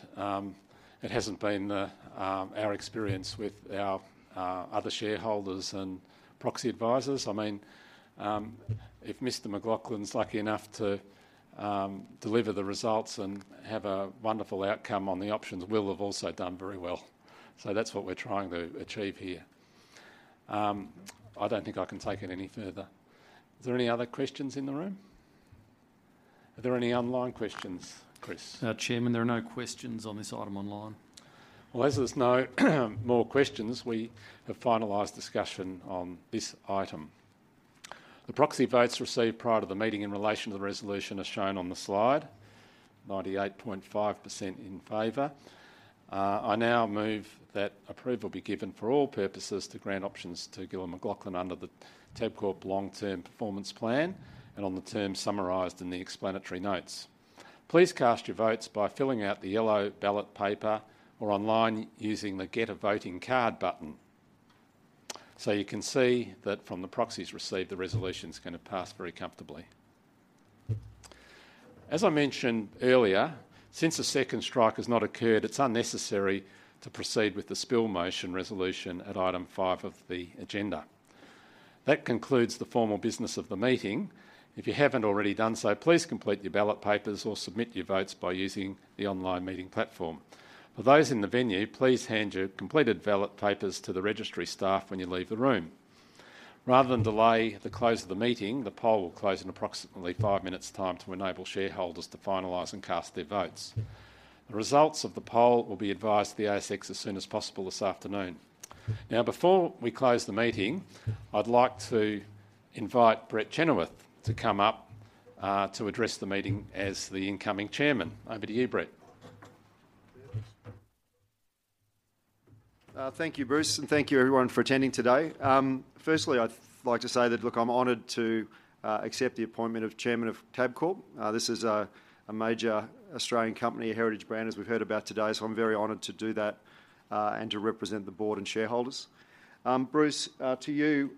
it hasn't been our experience with our other shareholders and proxy advisors. I mean, if Mr. McLachlan's lucky enough to deliver the results and have a wonderful outcome on the options, we'll have also done very well. So that's what we're trying to achieve here. I don't think I can take it any further. Is there any other questions in the room? Are there any online questions, Chris? Chairman, there are no questions on this item online. As there's no more questions, we have finalized discussion on this item. The proxy votes received prior to the meeting in relation to the resolution are shown on the slide, 98.5% in favor. I now move that approval be given for all purposes to grant options to Gillon McLachlan under the Tabcorp Long-Term Performance Plan, and on the terms summarized in the explanatory notes. Please cast your votes by filling out the yellow ballot paper or online using the Get a Voting Card button. You can see that from the proxies received, the resolution's gonna pass very comfortably. As I mentioned earlier, since a second strike has not occurred, it's unnecessary to proceed with the spill motion resolution at item five of the agenda. That concludes the formal business of the meeting. If you haven't already done so, please complete your ballot papers or submit your votes by using the online meeting platform. For those in the venue, please hand your completed ballot papers to the registry staff when you leave the room. Rather than delay the close of the meeting, the poll will close in approximately five minutes' time to enable shareholders to finalize and cast their votes. The results of the poll will be advised to the ASX as soon as possible this afternoon. Now, before we close the meeting, I'd like to invite Brett Chenoweth to come up to address the meeting as the incoming chairman. Over to you, Brett. Thank you, Bruce, and thank you, everyone, for attending today. Firstly, I'd like to say that, look, I'm honored to accept the appointment of Chairman of Tabcorp. This is a major Australian company, a heritage brand, as we've heard about today, so I'm very honored to do that and to represent the board and shareholders. Bruce, to you,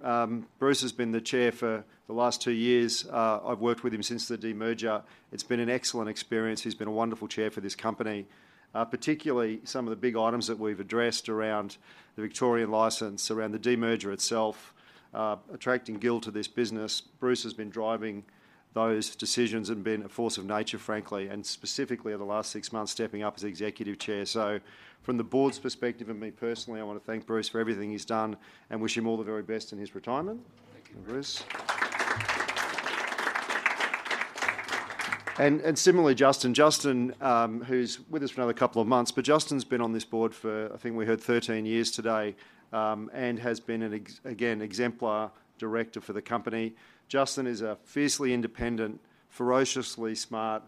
Bruce has been the Chairman for the last two years. I've worked with him since the demerger. It's been an excellent experience. He's been a wonderful Chairman for this company. Particularly some of the big items that we've addressed around the Victorian licence, around the demerger itself, attracting Gil to this business. Bruce has been driving those decisions and been a force of nature, frankly, and specifically over the last six months, stepping up as Executive Chairman. So from the board's perspective, and me personally, I wanna thank Bruce for everything he's done and wish him all the very best in his retirement. Thank you. Bruce. And similarly, Justin. Justin, who's with us for another couple of months, but Justin's been on this board for, I think we heard 13 years today, and has been an exemplary director for the company. Justin is a fiercely independent, ferociously smart,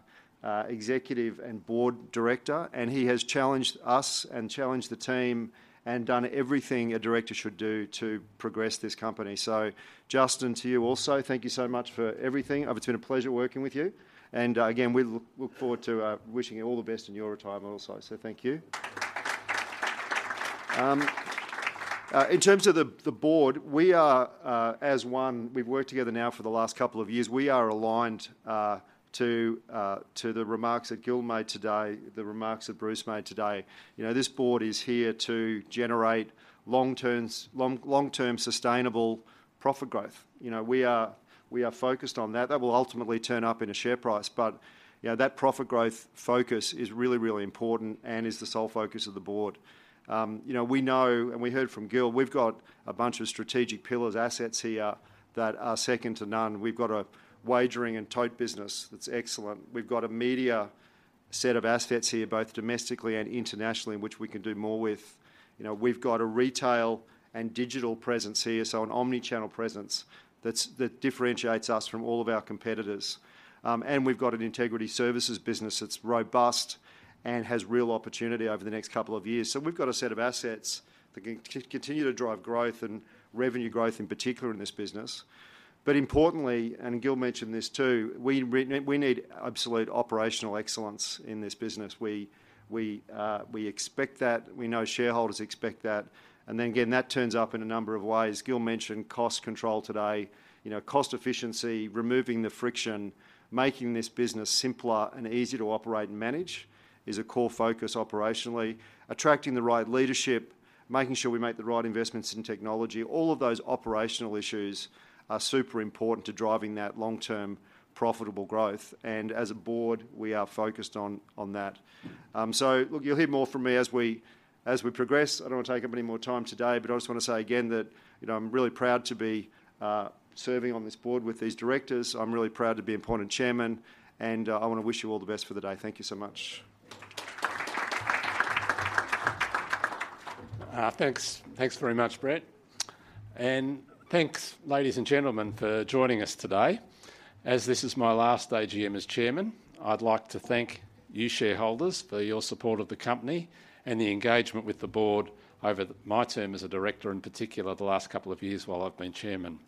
executive and board director, and he has challenged us and challenged the team and done everything a director should do to progress this company. So Justin, to you also, thank you so much for everything. I've enjoyed a pleasure working with you. And, again, we look forward to wishing you all the best in your retirement also, so thank you. In terms of the board, we are as one. We've worked together now for the last couple of years. We are aligned to the remarks that Gil made today, the remarks that Bruce made today. You know, this board is here to generate long-term sustainable profit growth. You know, we are focused on that. That will ultimately turn up in a share price, but, you know, that profit growth focus is really important and is the sole focus of the board. You know, we know, and we heard from Gil, we've got a bunch of strategic pillars, assets here that are second to none. We've got a wagering and tote business that's excellent. We've got a media set of assets here, both domestically and internationally, which we can do more with. You know, we've got a retail and digital presence here, so an omni-channel presence that differentiates us from all of our competitors. And we've got an integrity services business that's robust and has real opportunity over the next couple of years. So we've got a set of assets that can continue to drive growth and revenue growth, in particular in this business. But importantly, and Gil mentioned this too, we need absolute operational excellence in this business. We expect that. We know shareholders expect that, and then again, that turns up in a number of ways. Gil mentioned cost control today. You know, cost efficiency, removing the friction, making this business simpler and easier to operate and manage is a core focus operationally. Attracting the right leadership, making sure we make the right investments in technology, all of those operational issues are super important to driving that long-term, profitable growth, and as a board, we are focused on that. So look, you'll hear more from me as we progress. I don't want to take up any more time today, but I just want to say again that, you know, I'm really proud to be serving on this board with these directors. I'm really proud to be appointed chairman, and I want to wish you all the best for the day. Thank you so much. Thanks. Thanks very much, Brett. And thanks, ladies and gentlemen, for joining us today. As this is my last AGM as chairman, I'd like to thank you, shareholders, for your support of the company and the engagement with the board over my term as a director, in particular, the last couple of years while I've been chairman.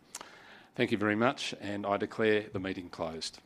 Thank you very much, and I declare the meeting closed.